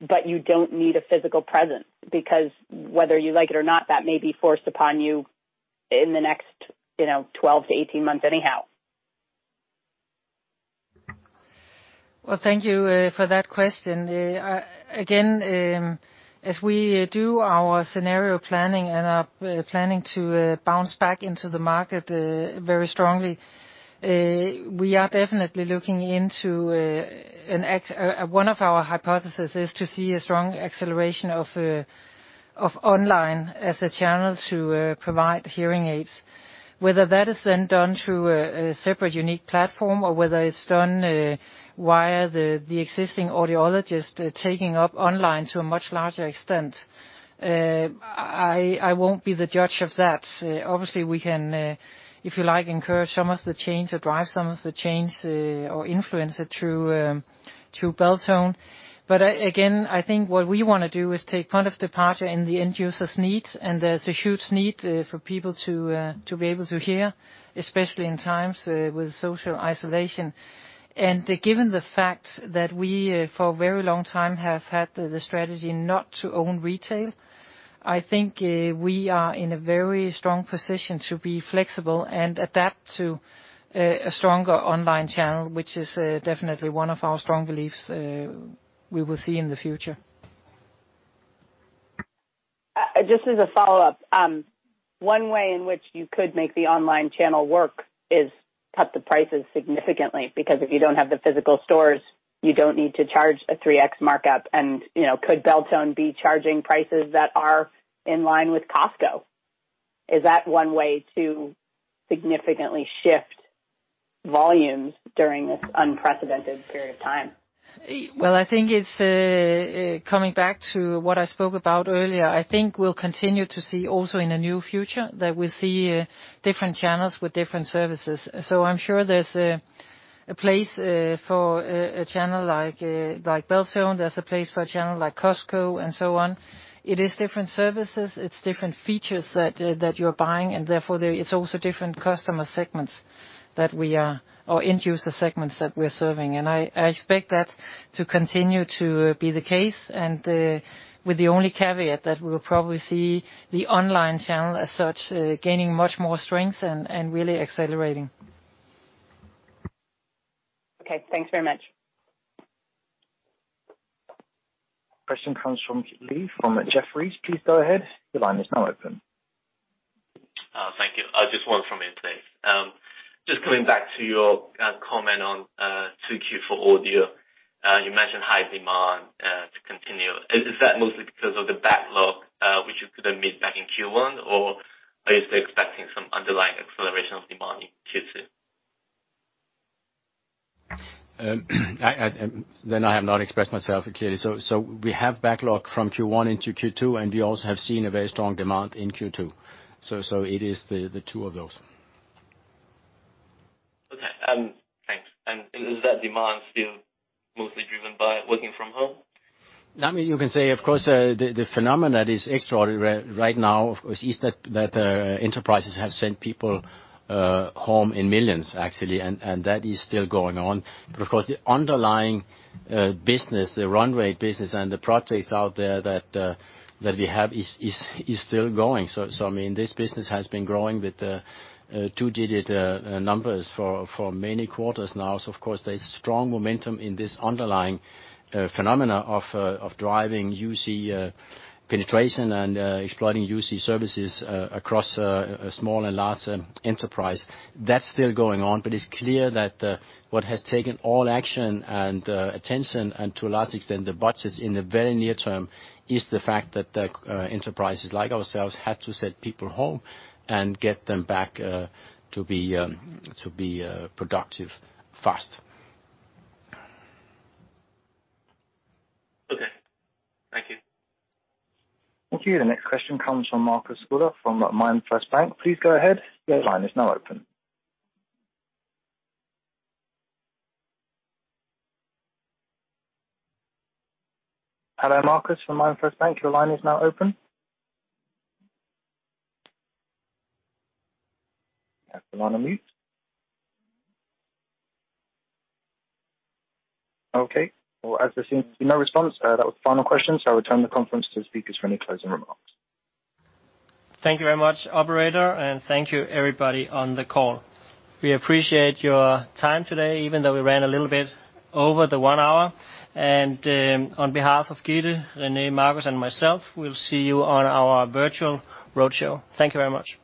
Speaker 5: but you don't need a physical presence? Because whether you like it or not, that may be forced upon you in the next 12-18 months anyhow.
Speaker 3: Thank you for that question. Again, as we do our scenario planning and are planning to bounce back into the market very strongly, we are definitely looking into one of our hypotheses is to see a strong acceleration of online as a channel to provide hearing aids. Whether that is then done through a separate unique platform or whether it's done via the existing Audiologist taking up online to a much larger extent, I won't be the judge of that. Obviously, we can, if you like, incur some of the change or drive some of the change or influence it through Beltone. But again, I think what we want to do is take point of departure in the end user's needs, and there's a huge need for people to be able to hear, especially in times with social isolation. Given the fact that we for a very long time have had the strategy not to own retail, I think we are in a very strong position to be flexible and adapt to a stronger online channel, which is definitely one of our strong beliefs we will see in the future. Just as a follow-up, one way in which you could make the online channel work is cut the prices significantly because if you don't have the physical stores, you don't need to charge a 3X markup, and could Beltone be charging prices that are in line with Costco? Is that one way to significantly shift volumes during this unprecedented period of time? I think it's coming back to what I spoke about earlier. I think we'll continue to see also in the near future that we'll see different channels with different services. So I'm sure there's a place for a channel like Beltone. There's a place for a channel like Costco and so on. It is different services. It's different features that you're buying, and therefore it's also different customer segments that we are or end user segments that we're serving. And I expect that to continue to be the case, with the only caveat that we will probably see the online channel as such gaining much more strength and really accelerating. Okay. Thanks very much.
Speaker 5: Question comes from Lee from Jefferies. Please go ahead. Your line is now open. Thank you. I just wanted to come in today. Just coming back to your comment on Q2 for transmitted audio, you mentioned high demand to continue. Is that mostly because of the backlog, which you could have missed back in Q1, or are you still expecting some underlying acceleration of demand in Q2?
Speaker 4: Then I have not expressed myself clearly. So we have backlog from Q1 into Q2, and we also have seen a very strong demand in Q2. So it is the two of those. Okay. Thanks. And is that demand still mostly driven by working from home? I mean, you can say, of course, the phenomenon that is extraordinary right now, of course, is that enterprises have sent people home in millions, actually, and that is still going on. But of course, the underlying business, the run rate business and the projects out there that we have is still going. So I mean, this business has been growing with two-digit numbers for many quarters now. So of course, there's strong momentum in this underlying phenomena of driving UC penetration and exploiting UC services across small and large enterprise. That's still going on, but it's clear that what has taken all action and attention and to a large extent the budgets in the very near term is the fact that enterprises like ourselves had to send people home and get them back to be productive fast. Okay. Thank you.
Speaker 5: Thank you. The next question comes from Marcus Gola from MainFirst Bank. Please go ahead. Your line is now open. Hello, Marcus from MainFirst Bank. Your line is now open. Everyone on mute? Okay. Well, as there seems to be no response, that was the final question, so I'll return the conference to the speakers for any closing remarks.
Speaker 2: Thank you very much, operator, and thank you, everybody on the call. We appreciate your time today, even though we ran a little bit over the one hour, and on behalf of Gitte, René, Marcus, and myself, we'll see you on our virtual roadshow. Thank you very much.